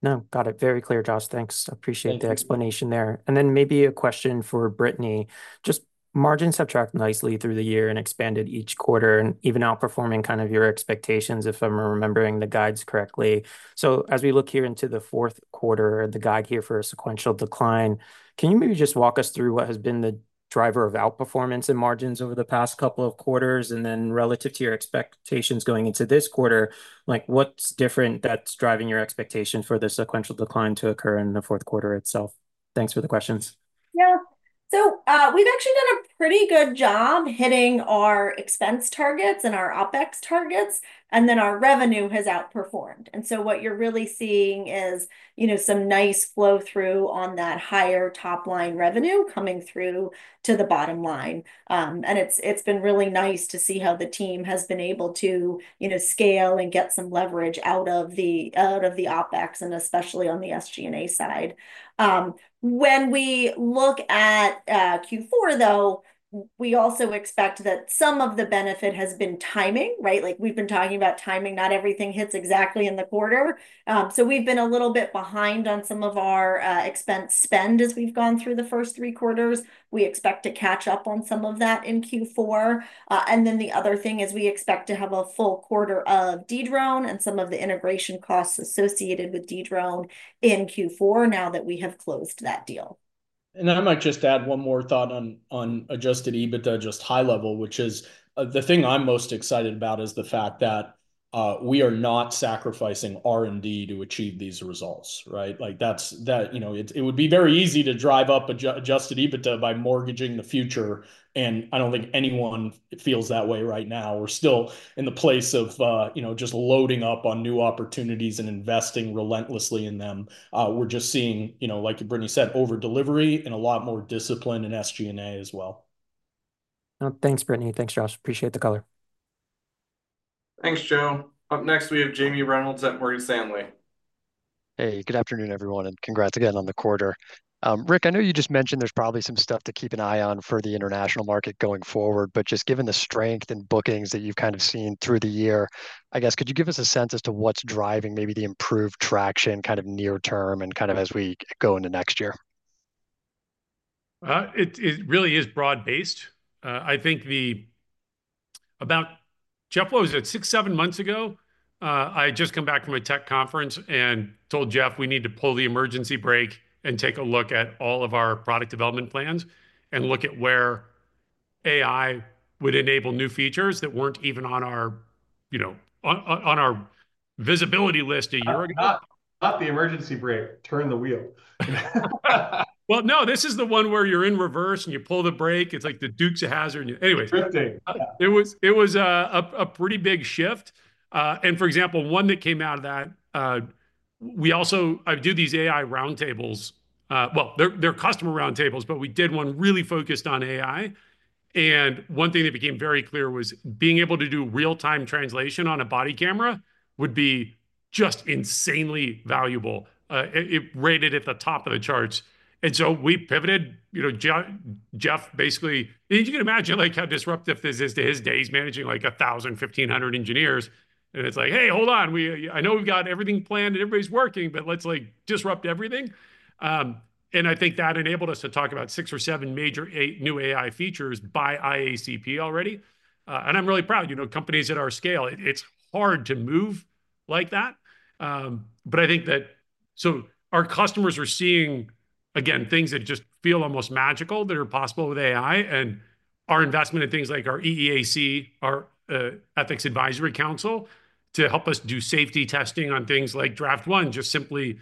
No, got it. Very clear, Josh. Thanks. Appreciate the explanation there. And then maybe a question for Brittany. Just margins have tracked nicely through the year and expanded each quarter and even outperforming kind of your expectations if I'm remembering the guides correctly. So as we look here into the fourth quarter, the guide here for a sequential decline, can you maybe just walk us through what has been the driver of outperformance in margins over the past couple of quarters? And then relative to your expectations going into this quarter, like what's different that's driving your expectation for the sequential decline to occur in the fourth quarter itself? Thanks for the questions. Yeah. So we've actually done a pretty good job hitting our expense targets and our OpEx targets. And then our revenue has outperformed. And so what you're really seeing is, you know, some nice flow through on that higher top line revenue coming through to the bottom line. And it's been really nice to see how the team has been able to, you know, scale and get some leverage out of the OpEx and especially on the SG&A side. When we look at Q4, though, we also expect that some of the benefit has been timing, right? Like we've been talking about timing, not everything hits exactly in the quarter. So we've been a little bit behind on some of our expense spend as we've gone through the first three quarters. We expect to catch up on some of that in Q4. And then the other thing is we expect to have a full quarter of Dedrone and some of the integration costs associated with Dedrone in Q4 now that we have closed that deal. And I might just add one more thought on Adjusted EBITDA just high level, which is the thing I'm most excited about is the fact that we are not sacrificing R&D to achieve these results, right? Like that's, you know, it would be very easy to drive up Adjusted EBITDA by mortgaging the future. And I don't think anyone feels that way right now. We're still in the place of, you know, just loading up on new opportunities and investing relentlessly in them. We're just seeing, you know, like Brittany said, over delivery and a lot more discipline in SG&A as well. Thanks, Brittany. Thanks, Josh. Appreciate the color. Thanks, Joe. Up next, we have Jamie Reynolds at Morgan Stanley. Hey, good afternoon, everyone, and congrats again on the quarter. Rick, I know you just mentioned there's probably some stuff to keep an eye on for the international market going forward, but just given the strength and bookings that you've kind of seen through the year, I guess, could you give us a sense as to what's driving maybe the improved traction kind of near term and kind of as we go into next year? It really is broad-based. I think that was about six-seven months ago. I had just come back from a tech conference and told Jeff we need to pull the emergency brake and take a look at all of our product development plans and look at where AI would enable new features that weren't even on our, you know, on our visibility list a year ago. Not the emergency brake, turn the wheel. No, this is the one where you're in reverse and you pull the brake. It's like the Dukes of Hazzard. Anyway. Drifting. It was a pretty big shift, and for example, one that came out of that, we also, I do these AI round tables, well, they're customer round tables, but we did one really focused on AI, and one thing that became very clear was being able to do real-time translation on a body camera would be just insanely valuable. It rated at the top of the charts, and so we pivoted, you know, Jeff basically, you can imagine like how disruptive this is to his days managing like 1,000, 1,500 engineers, and it's like, hey, hold on. I know we've got everything planned and everybody's working, but let's like disrupt everything, and I think that enabled us to talk about six or seven major new AI features by IACP already, and I'm really proud, you know, companies at our scale, it's hard to move like that. But I think that, so our customers are seeing, again, things that just feel almost magical that are possible with AI and our investment in things like our EAC, our Ethics Advisory Council to help us do safety testing on things like Draft One, just simply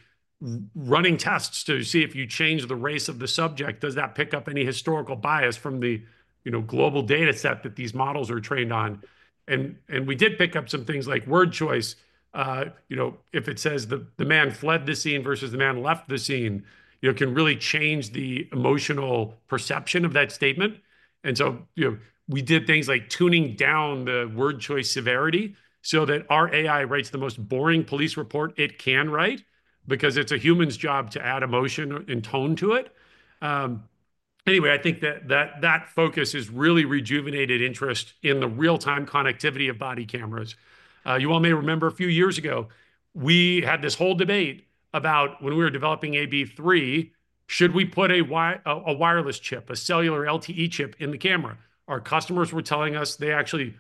running tests to see if you change the race of the subject, does that pick up any historical bias from the, you know, global data set that these models are trained on? And we did pick up some things like word choice. You know, if it says the man fled the scene versus the man left the scene, you know, can really change the emotional perception of that statement. And so, you know, we did things like tuning down the word choice severity so that our AI writes the most boring police report it can write because it's a human's job to add emotion and tone to it. Anyway, I think that that focus has really rejuvenated interest in the real-time connectivity of body cameras. You all may remember a few years ago, we had this whole debate about when we were developing AB3, should we put a wireless chip, a cellular LTE chip in the camera? Our customers were telling us they actually,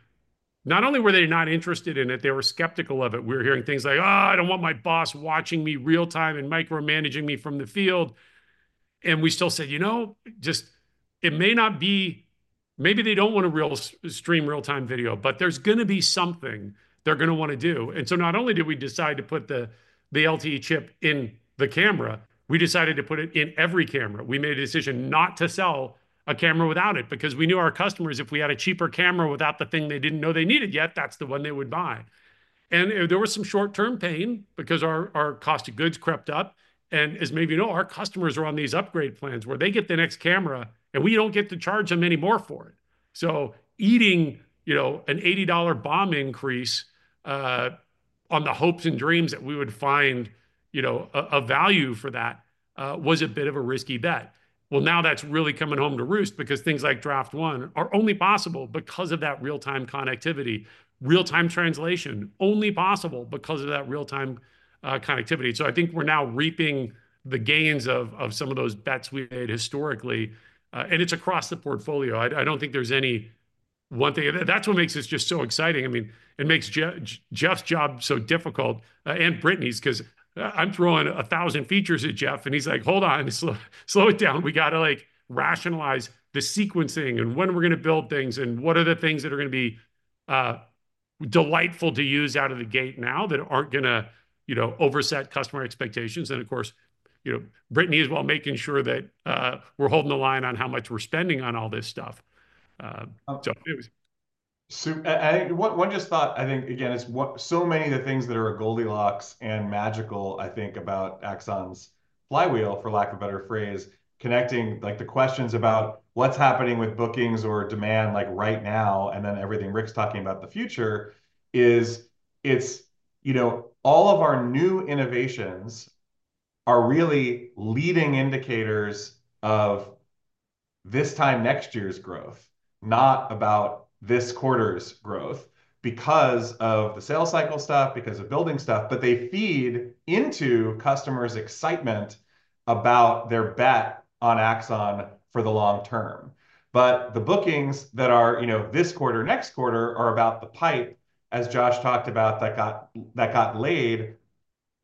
not only were they not interested in it, they were skeptical of it. We were hearing things like, oh, I don't want my boss watching me real-time and micromanaging me from the field. And we still said, you know, just, it may not be, maybe they don't want a real stream real-time video, but there's going to be something they're going to want to do. And so not only did we decide to put the LTE chip in the camera, we decided to put it in every camera. We made a decision not to sell a camera without it because we knew our customers, if we had a cheaper camera without the thing they didn't know they needed yet, that's the one they would buy. And there was some short-term pain because our cost of goods crept up. And as maybe you know, our customers are on these upgrade plans where they get the next camera and we don't get to charge them any more for it. Eating, you know, an $80 [million] increase on the hopes and dreams that we would find, you know, a value for that was a bit of a risky bet. Now that's really coming home to roost because things like Draft One are only possible because of that real-time connectivity. Real-time translation only possible because of that real-time connectivity. So I think we're now reaping the gains of some of those bets we made historically. And it's across the portfolio. I don't think there's any one thing. That's what makes this just so exciting. I mean, it makes Jeff's job so difficult and Brittany's because I'm throwing a thousand features at Jeff and he's like, hold on, slow it down. We got to like rationalize the sequencing and when we're going to build things and what are the things that are going to be delightful to use out of the gate now that aren't going to, you know, overset customer expectations, and of course, you know, Brittany is while making sure that we're holding the line on how much we're spending on all this stuff, so it was. One just thought, I think again, it's so many of the things that are Goldilocks and magical. I think about Axon's flywheel, for lack of a better phrase, connecting like the questions about what's happening with bookings or demand like right now and then everything Rick's talking about the future. It's, you know, all of our new innovations are really leading indicators of this time next year's growth, not about this quarter's growth because of the sales cycle stuff, because of building stuff, but they feed into customers' excitement about their bet on Axon for the long term. The bookings that are, you know, this quarter, next quarter are about the pipe as Josh talked about that got laid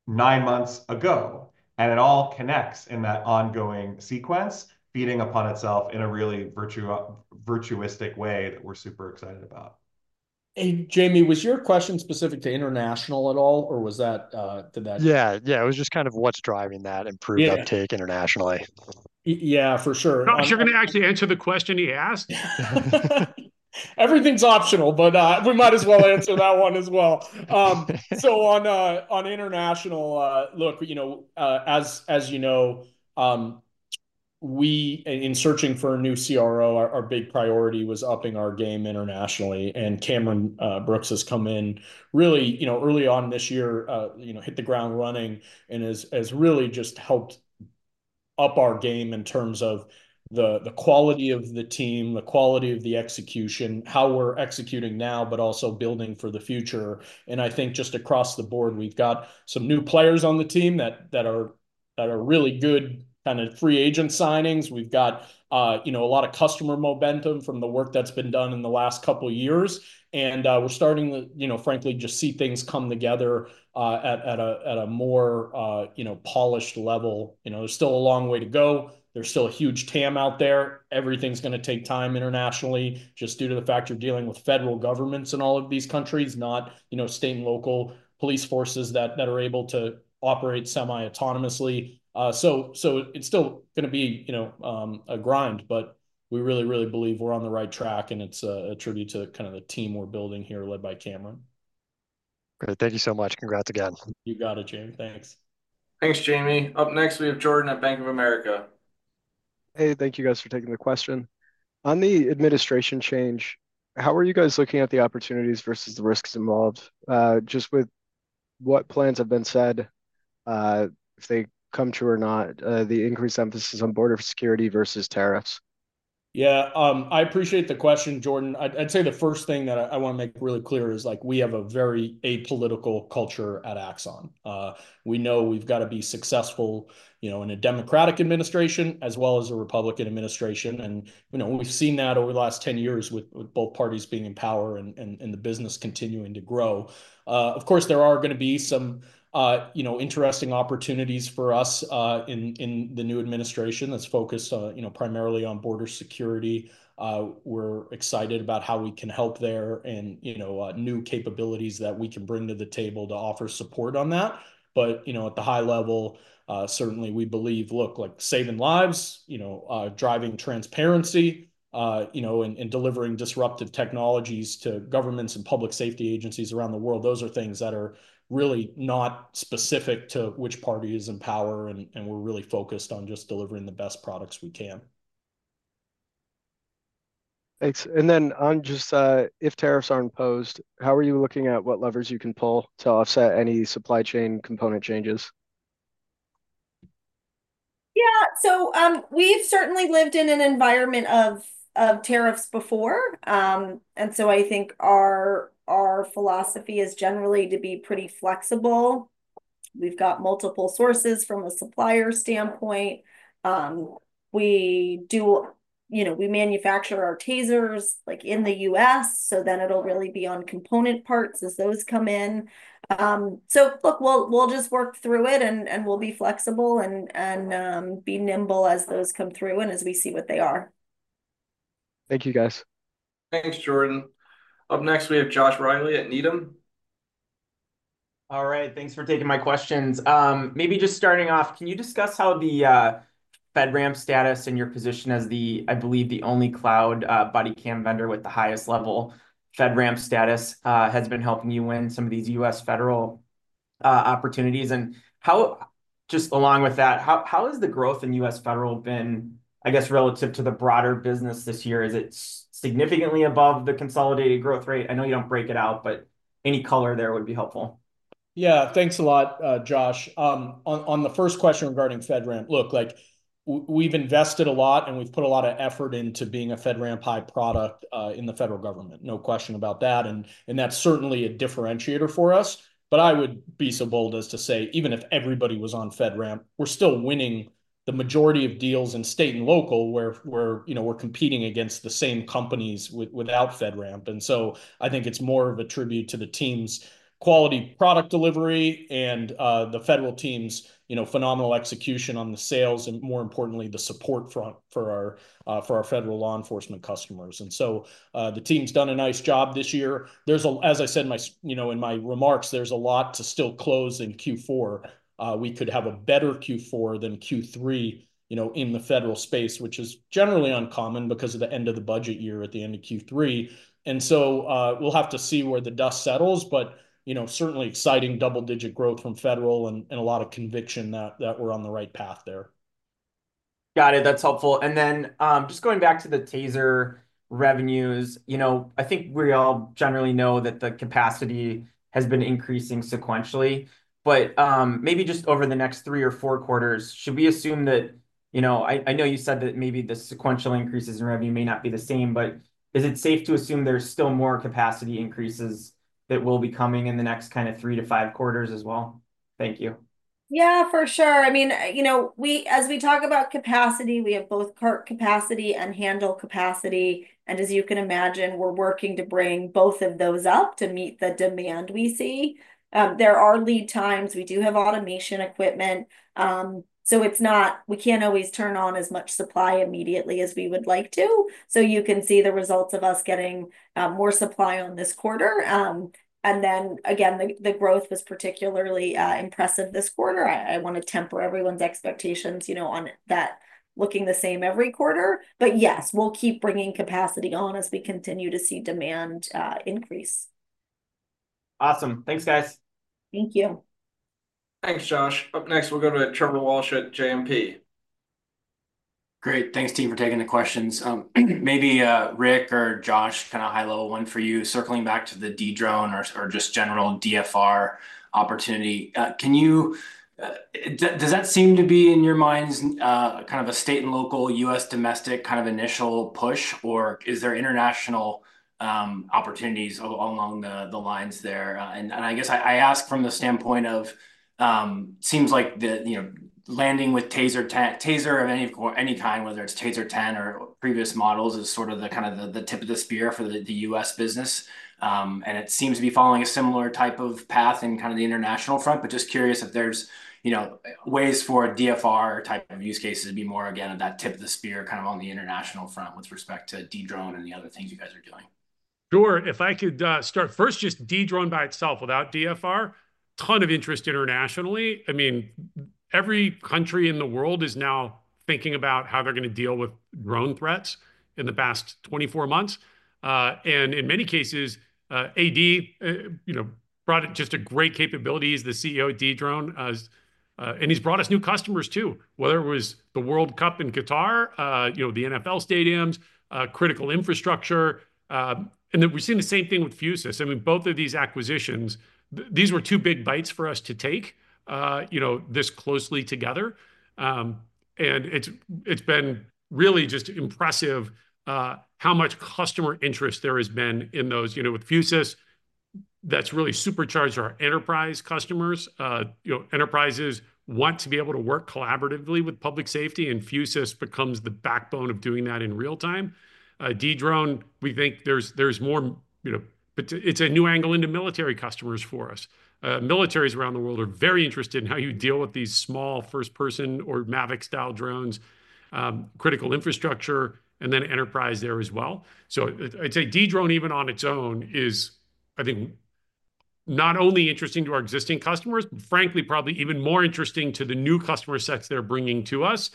nine months ago. It all connects in that ongoing sequence, feeding upon itself in a really virtuous way that we're super excited about. Jamie, was your question specific to international at all or was that, did that? Yeah, yeah, it was just kind of what's driving that improved uptake internationally. Yeah, for sure. No, you're going to actually answer the question he asked? Everything's optional, but we might as well answer that one as well. So on international, look, you know, as you know, we in searching for a new CRO, our big priority was upping our game internationally. And Cameron Brooks has come in really, you know, early on this year, you know, hit the ground running and has really just helped up our game in terms of the quality of the team, the quality of the execution, how we're executing now, but also building for the future. And I think just across the board, we've got some new players on the team that are really good kind of free agent signings. We've got, you know, a lot of customer momentum from the work that's been done in the last couple of years. And we're starting, you know, frankly, just see things come together at a more, you know, polished level. You know, there's still a long way to go. There's still a huge TAM out there. Everything's going to take time internationally just due to the fact you're dealing with federal governments in all of these countries, not, you know, state and local police forces that are able to operate semi-autonomously. So it's still going to be, you know, a grind, but we really, really believe we're on the right track and it's a tribute to kind of the team we're building here led by Cameron. Great. Thank you so much. Congrats again. You got it, James. Thanks. Thanks, Jamie. Up next, we have Jordan at Bank of America. Hey, thank you guys for taking the question. On the administration change, how are you guys looking at the opportunities versus the risks involved? Just with what plans have been said, if they come true or not, the increased emphasis on border security versus tariffs? Yeah, I appreciate the question, Jordan. I'd say the first thing that I want to make really clear is like we have a very apolitical culture at Axon. We know we've got to be successful, you know, in a democratic administration as well as a Republican administration. And you know, we've seen that over the last 10 years with both parties being in power and the business continuing to grow. Of course, there are going to be some, you know, interesting opportunities for us in the new administration that's focused, you know, primarily on border security. We're excited about how we can help there and, you know, new capabilities that we can bring to the table to offer support on that. But you know, at the high level, certainly we believe, look, like saving lives, you know, driving transparency, you know, and delivering disruptive technologies to governments and public safety agencies around the world. Those are things that are really not specific to which party is in power and we're really focused on just delivering the best products we can. Thanks. And then on just if tariffs are imposed, how are you looking at what levers you can pull to offset any supply chain component changes? Yeah, so we've certainly lived in an environment of tariffs before. So I think our philosophy is generally to be pretty flexible. We've got multiple sources from a supplier standpoint. We do, you know, we manufacture our Tasers like in the U.S., so then it'll really be on component parts as those come in. So look, we'll just work through it and we'll be flexible and be nimble as those come through and as we see what they are. Thank you, guys. Thanks, Jordan. Up next, we have Josh Riley at Needham. All right. Thanks for taking my questions. Maybe just starting off, can you discuss how the FedRAMP status and your position as the, I believe, the only cloud body cam vendor with the highest level FedRAMP status has been helping you win some of these U.S. federal opportunities? And how, just along with that, how has the growth in U.S. federal been, I guess, relative to the broader business this year? Is it significantly above the consolidated growth rate? I know you don't break it out, but any color there would be helpful. Yeah, thanks a lot, Josh. On the first question regarding FedRAMP, look, like we've invested a lot and we've put a lot of effort into being a FedRAMP high product in the federal government. No question about that. And that's certainly a differentiator for us. But I would be so bold as to say, even if everybody was on FedRAMP, we're still winning the majority of deals in state and local where, you know, we're competing against the same companies without FedRAMP. And so I think it's more of a tribute to the team's quality product delivery and the federal team's, you know, phenomenal execution on the sales and more importantly, the support front for our federal law enforcement customers. And so the team's done a nice job this year. There's a, as I said, you know, in my remarks, there's a lot to still close in Q4. We could have a better Q4 than Q3, you know, in the federal space, which is generally uncommon because of the end of the budget year at the end of Q3, and so we'll have to see where the dust settles, but, you know, certainly exciting double-digit growth from federal and a lot of conviction that we're on the right path there. Got it. That's helpful. And then just going back to the Taser revenues, you know, I think we all generally know that the capacity has been increasing sequentially, but maybe just over the next three or four quarters, should we assume that, you know, I know you said that maybe the sequential increases in revenue may not be the same, but is it safe to assume there's still more capacity increases that will be coming in the next kind of three to five quarters as well? Thank you. Yeah, for sure. I mean, you know, as we talk about capacity, we have both cartridge capacity and handle capacity. And as you can imagine, we're working to bring both of those up to meet the demand we see. There are lead times. We do have automation equipment. So it's not, we can't always turn on as much supply immediately as we would like to. So you can see the results of us getting more supply on this quarter. And then again, the growth was particularly impressive this quarter. I want to temper everyone's expectations, you know, on that looking the same every quarter. But yes, we'll keep bringing capacity on as we continue to see demand increase. Awesome. Thanks, guys. Thank you. Thanks, Josh. Up next, we'll go to Trevor Walsh at JMP. Great. Thanks, team, for taking the questions. Maybe Rick or Josh, kind of high-level one for you, circling back to the Dedrone or just general DFR opportunity. Can you, does that seem to be in your minds kind of a state and local U.S. domestic kind of initial push, or is there international opportunities along the lines there? And I guess I ask from the standpoint of, seems like the, you know, landing with Taser of any kind, whether it's Taser 10 or previous models is sort of the kind of the tip of the spear for the U.S. business. It seems to be following a similar type of path in kind of the international front, but just curious if there's, you know, ways for DFR type of use cases to be more again at that tip of the spear kind of on the international front with respect to Dedrone and the other things you guys are doing? Jordan, if I could start first, just Dedrone by itself without DFR, ton of interest internationally. I mean, every country in the world is now thinking about how they're going to deal with drone threats in the past 24 months. And in many cases, AD, you know, brought it just a great capabilities, the CEO at Dedrone, and he's brought us new customers too, whether it was the World Cup in Qatar, you know, the NFL stadiums, critical infrastructure. And then we've seen the same thing with Fusus. I mean, both of these acquisitions, these were two big bites for us to take, you know, this closely together. And it's been really just impressive how much customer interest there has been in those, you know, with Fusus, that's really supercharged our enterprise customers. You know, enterprises want to be able to work collaboratively with public safety and Fusus becomes the backbone of doing that in real time. Dedrone, we think there's more, you know, it's a new angle into military customers for us. Militaries around the world are very interested in how you deal with these small first-person or Mavic-style drones, critical infrastructure, and then enterprise there as well. So I'd say Dedrone even on its own is, I think, not only interesting to our existing customers, but frankly, probably even more interesting to the new customer sets they're bringing to us.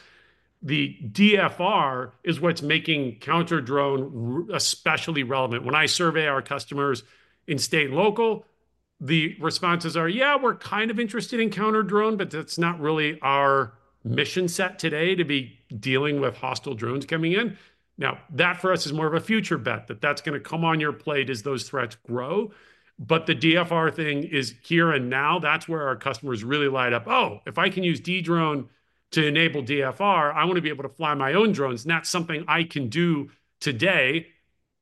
The DFR is what's making counter-drone especially relevant. When I survey our customers in state and local, the responses are, yeah, we're kind of interested in counter-drone, but that's not really our mission set today to be dealing with hostile drones coming in. Now, that for us is more of a future bet that that's going to come on your plate as those threats grow. But the DFR thing is here and now. That's where our customers really light up. Oh, if I can use Dedrone to enable DFR, I want to be able to fly my own drones. Not something I can do today,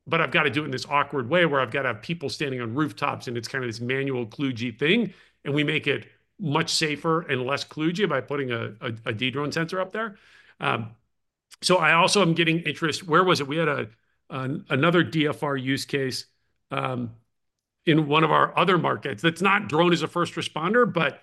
but I've got to do it in this awkward way where I've got to have people standing on rooftops and it's kind of this manual kludgy thing. And we make it much safer and less kludgy by putting a Dedrone sensor up there. So I also am getting interest. Where was it? We had another DFR use case in one of our other markets. That's not drone as a first responder, but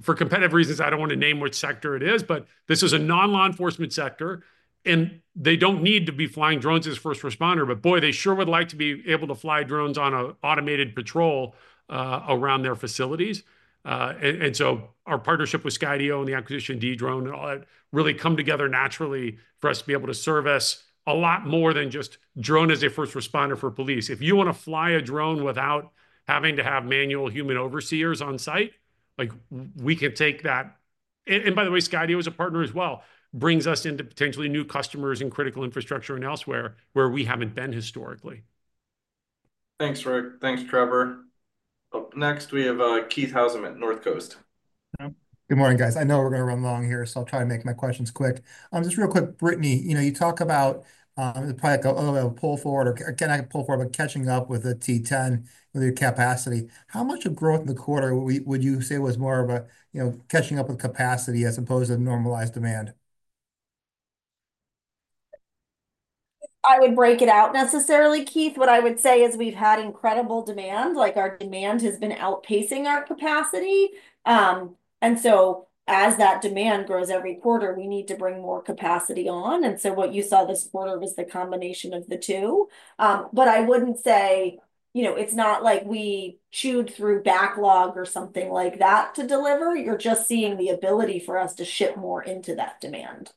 for competitive reasons, I don't want to name which sector it is, but this was a non-law enforcement sector and they don't need to be flying drones as a first responder, but boy, they sure would like to be able to fly drones on an automated patrol around their facilities. And so our partnership with Skydio and the acquisition of Dedrone and all that really come together naturally for us to be able to service a lot more than just drone as a first responder for police. If you want to fly a drone without having to have manual human overseers on site, like we can take that. And by the way, Skydio is a partner as well, brings us into potentially new customers and critical infrastructure and elsewhere where we haven't been historically. Thanks, Rick. Thanks, Trevor. Up next, we have Keith Housum, Northcoast. Good morning, guys. I know we're going to run long here, so I'll try to make my questions quick. Just real quick, Brittany, you know, you talk about probably a little bit of a pull forward, or can I pull forward, but catching up with the T10 with your capacity. How much of growth in the quarter would you say was more of a, you know, catching up with capacity as opposed to normalized demand? I would break it out necessarily, Keith. What I would say is we've had incredible demand. Like our demand has been outpacing our capacity. And so as that demand grows every quarter, we need to bring more capacity on. And so what you saw this quarter was the combination of the two. But I wouldn't say, you know, it's not like we chewed through backlog or something like that to deliver. You're just seeing the ability for us to ship more into that demand.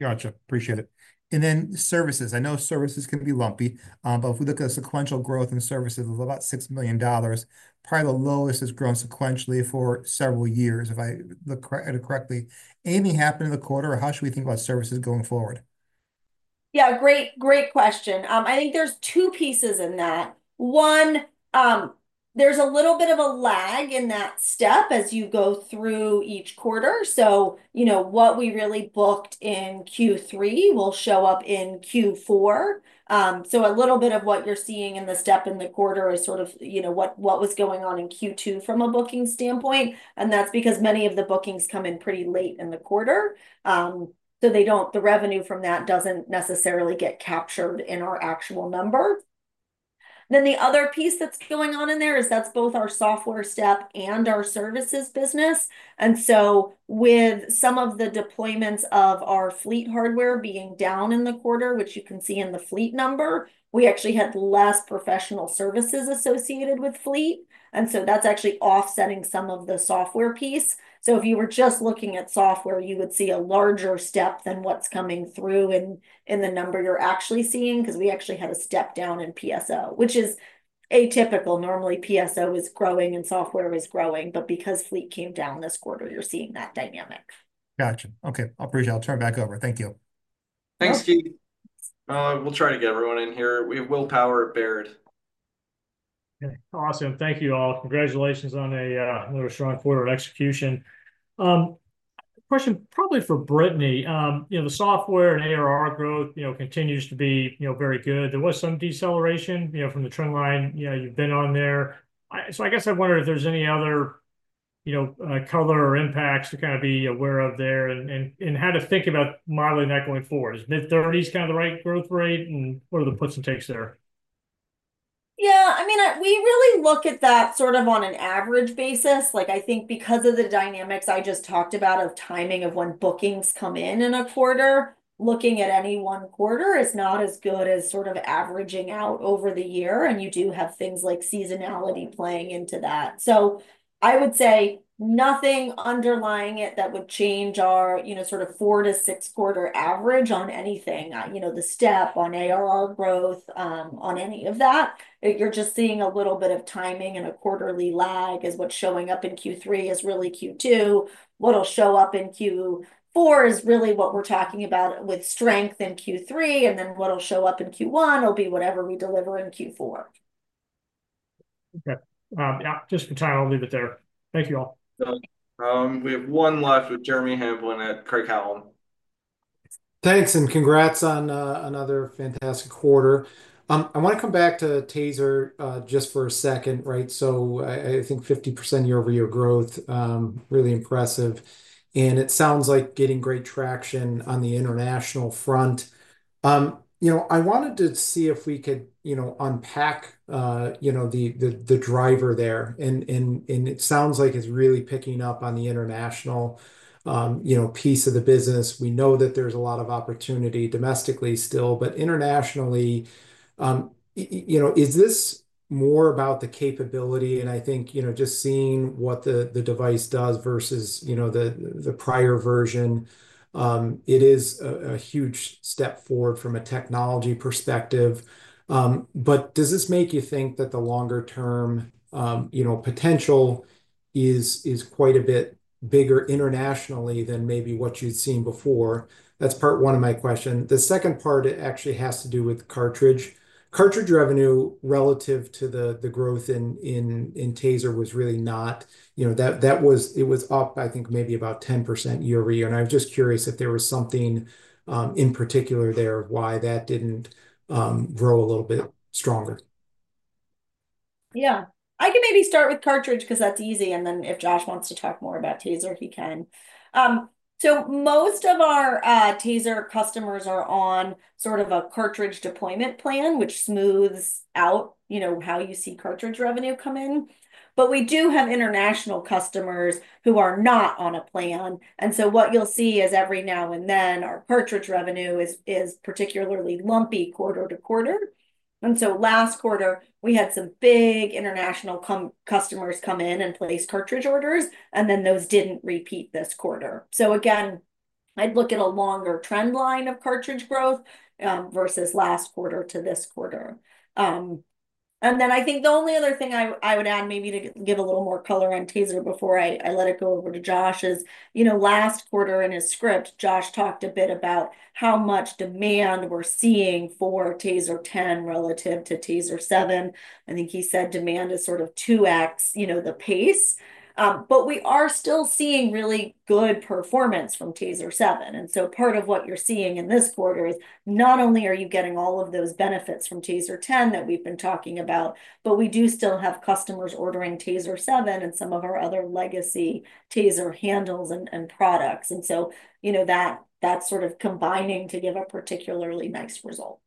Gotcha. Appreciate it and then services. I know services can be lumpy, but if we look at the sequential growth in services of about $6 million, probably the lowest has grown sequentially for several years, if I look at it correctly. Brittany, happened in the quarter, or how should we think about services going forward? Yeah, great, great question. I think there's two pieces in that. One, there's a little bit of a lag in that step as you go through each quarter. So, you know, what we really booked in Q3 will show up in Q4. So a little bit of what you're seeing in the step in the quarter is sort of, you know, what was going on in Q2 from a booking standpoint. And that's because many of the bookings come in pretty late in the quarter. So they don't, the revenue from that doesn't necessarily get captured in our actual number. Then the other piece that's going on in there is that's both our software step and our services business. And so with some of the deployments of our fleet hardware being down in the quarter, which you can see in the fleet number, we actually had less professional services associated with fleet. And so that's actually offsetting some of the software piece. So if you were just looking at software, you would see a larger step than what's coming through in the number you're actually seeing because we actually had a step down in PSO, which is atypical. Normally PSO is growing and software is growing, but because fleet came down this quarter, you're seeing that dynamic. Gotcha. Okay. Appreciate it. I'll turn it back over. Thank you. Thanks, Keith. We'll try to get everyone in here. Will Power, Baird. Okay. Awesome. Thank you all. Congratulations on a really strong quarter of execution. Question probably for Brittany. You know, the software and ARR growth, you know, continues to be, you know, very good. There was some deceleration, you know, from the trend line. You've been on there. So I guess I wondered if there's any other, you know, color or impacts to kind of be aware of there and how to think about modeling that going forward. Is mid-30s kind of the right growth rate and what are the puts and takes there? Yeah. I mean, we really look at that sort of on an average basis. Like I think because of the dynamics I just talked about of timing of when bookings come in in a quarter, looking at any one quarter is not as good as sort of averaging out over the year. And you do have things like seasonality playing into that. So I would say nothing underlying it that would change our, you know, sort of four to six quarter average on anything. You know, the step on ARR growth, on any of that, you're just seeing a little bit of timing and a quarterly lag is what's showing up in Q3 is really Q2. What'll show up in Q4 is really what we're talking about with strength in Q3 and then what'll show up in Q1 will be whatever we deliver in Q4. Okay. Just for time, I'll leave it there. Thank you all. We have one left with Jeremy Hamblin at Craig-Hallum. Thanks and congrats on another fantastic quarter. I want to come back to TASER just for a second, right, so I think 50% year-over-year growth, really impressive, and it sounds like getting great traction on the international front. You know, I wanted to see if we could, you know, unpack, you know, the driver there, and it sounds like it's really picking up on the international, you know, piece of the business. We know that there's a lot of opportunity domestically still, but internationally, you know, is this more about the capability, and I think, you know, just seeing what the device does versus, you know, the prior version, it is a huge step forward from a technology perspective, but does this make you think that the longer-term, you know, potential is quite a bit bigger internationally than maybe what you'd seen before? That's part one of my question. The second part actually has to do with cartridge. Cartridge revenue relative to the growth in Taser was really not, you know, it was up, I think maybe about 10% year-over-year, and I was just curious if there was something in particular there of why that didn't grow a little bit stronger. Yeah. I can maybe start with cartridge because that's easy. And then if Josh wants to talk more about Taser, he can. So most of our Taser customers are on sort of a cartridge deployment plan, which smooths out, you know, how you see cartridge revenue come in. But we do have international customers who are not on a plan. And so what you'll see is every now and then our cartridge revenue is particularly lumpy quarter to quarter. And so last quarter, we had some big international customers come in and place cartridge orders, and then those didn't repeat this quarter. So again, I'd look at a longer trend line of cartridge growth versus last quarter to this quarter. And then I think the only other thing I would add maybe to give a little more color on Taser before I let it go over to Josh is, you know, last quarter in his script, Josh talked a bit about how much demand we're seeing for Taser 10 relative to Taser 7. I think he said demand is sort of 2X, you know, the pace. But we are still seeing really good performance from Taser 7. And so part of what you're seeing in this quarter is not only are you getting all of those benefits from Taser 10 that we've been talking about, but we do still have customers ordering Taser 7 and some of our other legacy Taser handles and products. And so, you know, that's sort of combining to give a particularly nice result.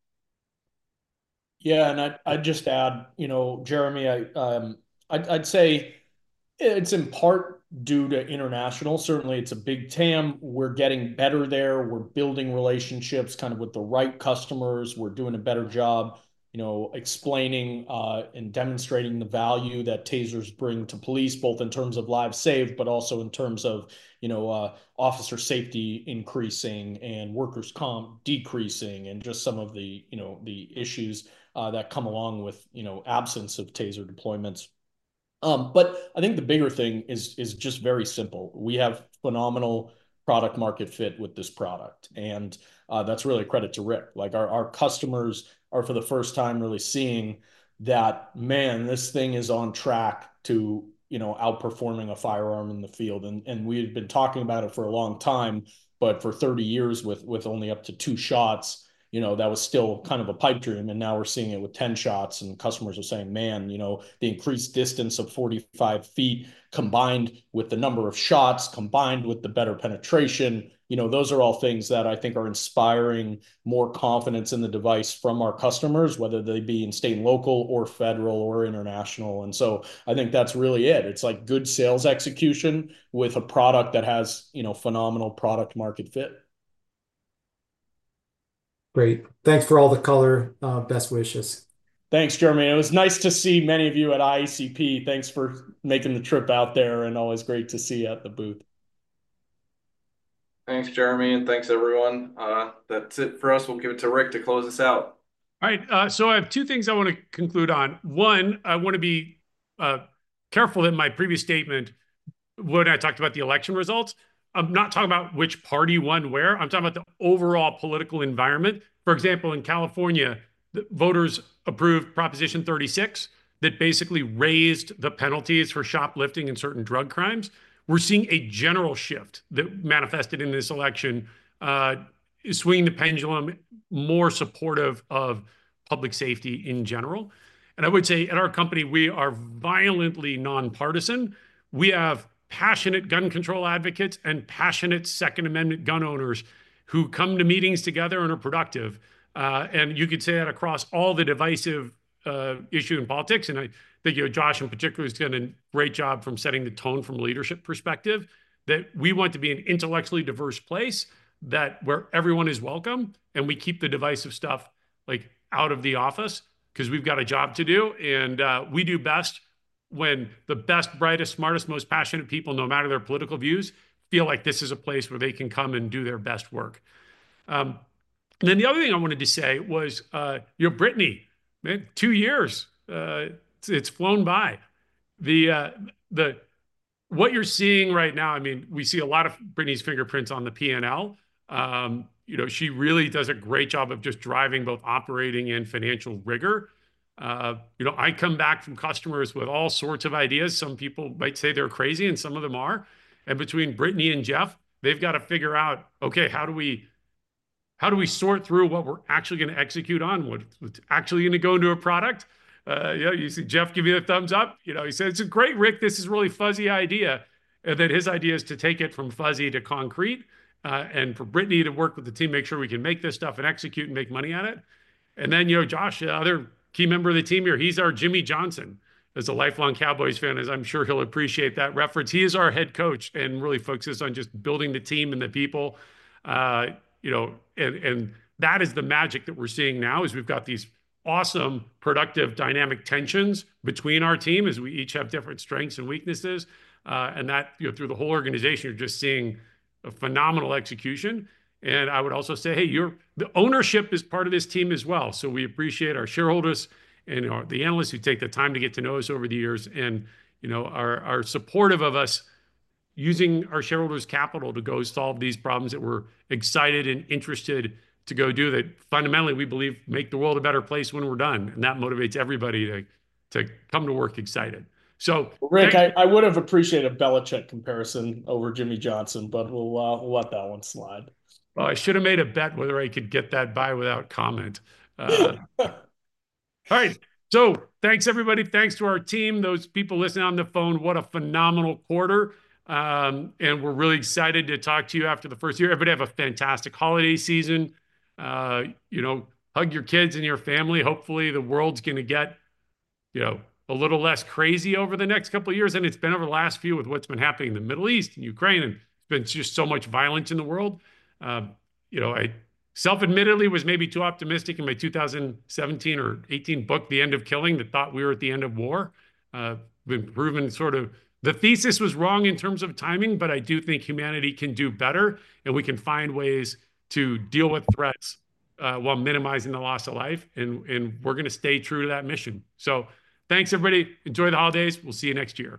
Yeah. And I'd just add, you know, Jeremy, I'd say it's in part due to international. Certainly, it's a big TAM. We're getting better there. We're building relationships kind of with the right customers. We're doing a better job, you know, explaining and demonstrating the value that Tasers bring to police, both in terms of lives saved, but also in terms of, you know, officer safety increasing and workers' comp decreasing and just some of the, you know, the issues that come along with, you know, absence of Taser deployments. But I think the bigger thing is just very simple. We have phenomenal product-market fit with this product. And that's really a credit to Rick. Like our customers are for the first time really seeing that, man, this thing is on track to, you know, outperforming a firearm in the field. We had been talking about it for a long time, but for 30 years with only up to two shots, you know, that was still kind of a pipe dream. Now we're seeing it with 10 shots and customers are saying, man, you know, the increased distance of 45 feet combined with the number of shots combined with the better penetration, you know, those are all things that I think are inspiring more confidence in the device from our customers, whether they be in state and local or federal or international. So I think that's really it. It's like good sales execution with a product that has, you know, phenomenal product-market fit. Great. Thanks for all the color. Best wishes. Thanks, Jeremy. It was nice to see many of you at IACP. Thanks for making the trip out there and always great to see you at the booth. Thanks, Jeremy, and thanks, everyone. That's it for us. We'll give it to Rick to close this out. All right. So I have two things I want to conclude on. One, I want to be careful that my previous statement, when I talked about the election results, I'm not talking about which party won where. I'm talking about the overall political environment. For example, in California, voters approved Proposition 36 that basically raised the penalties for shoplifting and certain drug crimes. We're seeing a general shift that manifested in this election swinging the pendulum more supportive of public safety in general. And I would say at our company, we are violently nonpartisan. We have passionate gun control advocates and passionate Second Amendment gun owners who come to meetings together and are productive. And you could say that across all the divisive issue in politics. And I think, you know, Josh in particular has done a great job from setting the tone from a leadership perspective that we want to be an intellectually diverse place that where everyone is welcome and we keep the divisive stuff like out of the office because we've got a job to do. And we do best when the best, brightest, smartest, most passionate people, no matter their political views, feel like this is a place where they can come and do their best work. And then the other thing I wanted to say was, you know, Brittany, man, two years, it's flown by. What you're seeing right now, I mean, we see a lot of Brittany's fingerprints on the P&L. You know, she really does a great job of just driving both operating and financial rigor. You know, I come back from customers with all sorts of ideas. Some people might say they're crazy and some of them are, and between Brittany and Jeff, they've got to figure out, okay, how do we sort through what we're actually going to execute on? What's actually going to go into a product? You see Jeff give you a thumbs up. You know, he said, "It's great, Rick, this is a really fuzzy idea." And then his idea is to take it from fuzzy to concrete and for Brittany to work with the team, make sure we can make this stuff and execute and make money at it. And then, you know, Josh, the other key member of the team here, he's our Jimmy Johnson. As a lifelong Cowboys fan, as I'm sure he'll appreciate that reference. He is our head coach and really focuses on just building the team and the people. You know, and that is the magic that we're seeing now is we've got these awesome, productive, dynamic tensions between our team as we each have different strengths and weaknesses. And that, you know, through the whole organization, you're just seeing a phenomenal execution. And I would also say, hey, the ownership is part of this team as well. So we appreciate our shareholders and the analysts who take the time to get to know us over the years and, you know, are supportive of us using our shareholders' capital to go solve these problems that we're excited and interested to go do that fundamentally we believe make the world a better place when we're done. And that motivates everybody to come to work excited. So. Rick, I would have appreciated a Belichick comparison over Jimmy Johnson, but we'll let that one slide. Well, I should have made a bet whether I could get that by without comment. All right. So thanks, everybody. Thanks to our team, those people listening on the phone. What a phenomenal quarter. And we're really excited to talk to you after the first year. Everybody have a fantastic holiday season. You know, hug your kids and your family. Hopefully the world's going to get, you know, a little less crazy over the next couple of years. And it's been over the last few with what's been happening in the Middle East and Ukraine. And it's been just so much violence in the world. You know, I self-admittedly was maybe too optimistic in my 2017 or 2018 book, The End of Killing, that thought we were at the end of war. We've been proving sort of the thesis was wrong in terms of timing, but I do think humanity can do better and we can find ways to deal with threats while minimizing the loss of life. And we're going to stay true to that mission. So thanks, everybody. Enjoy the holidays. We'll see you next year.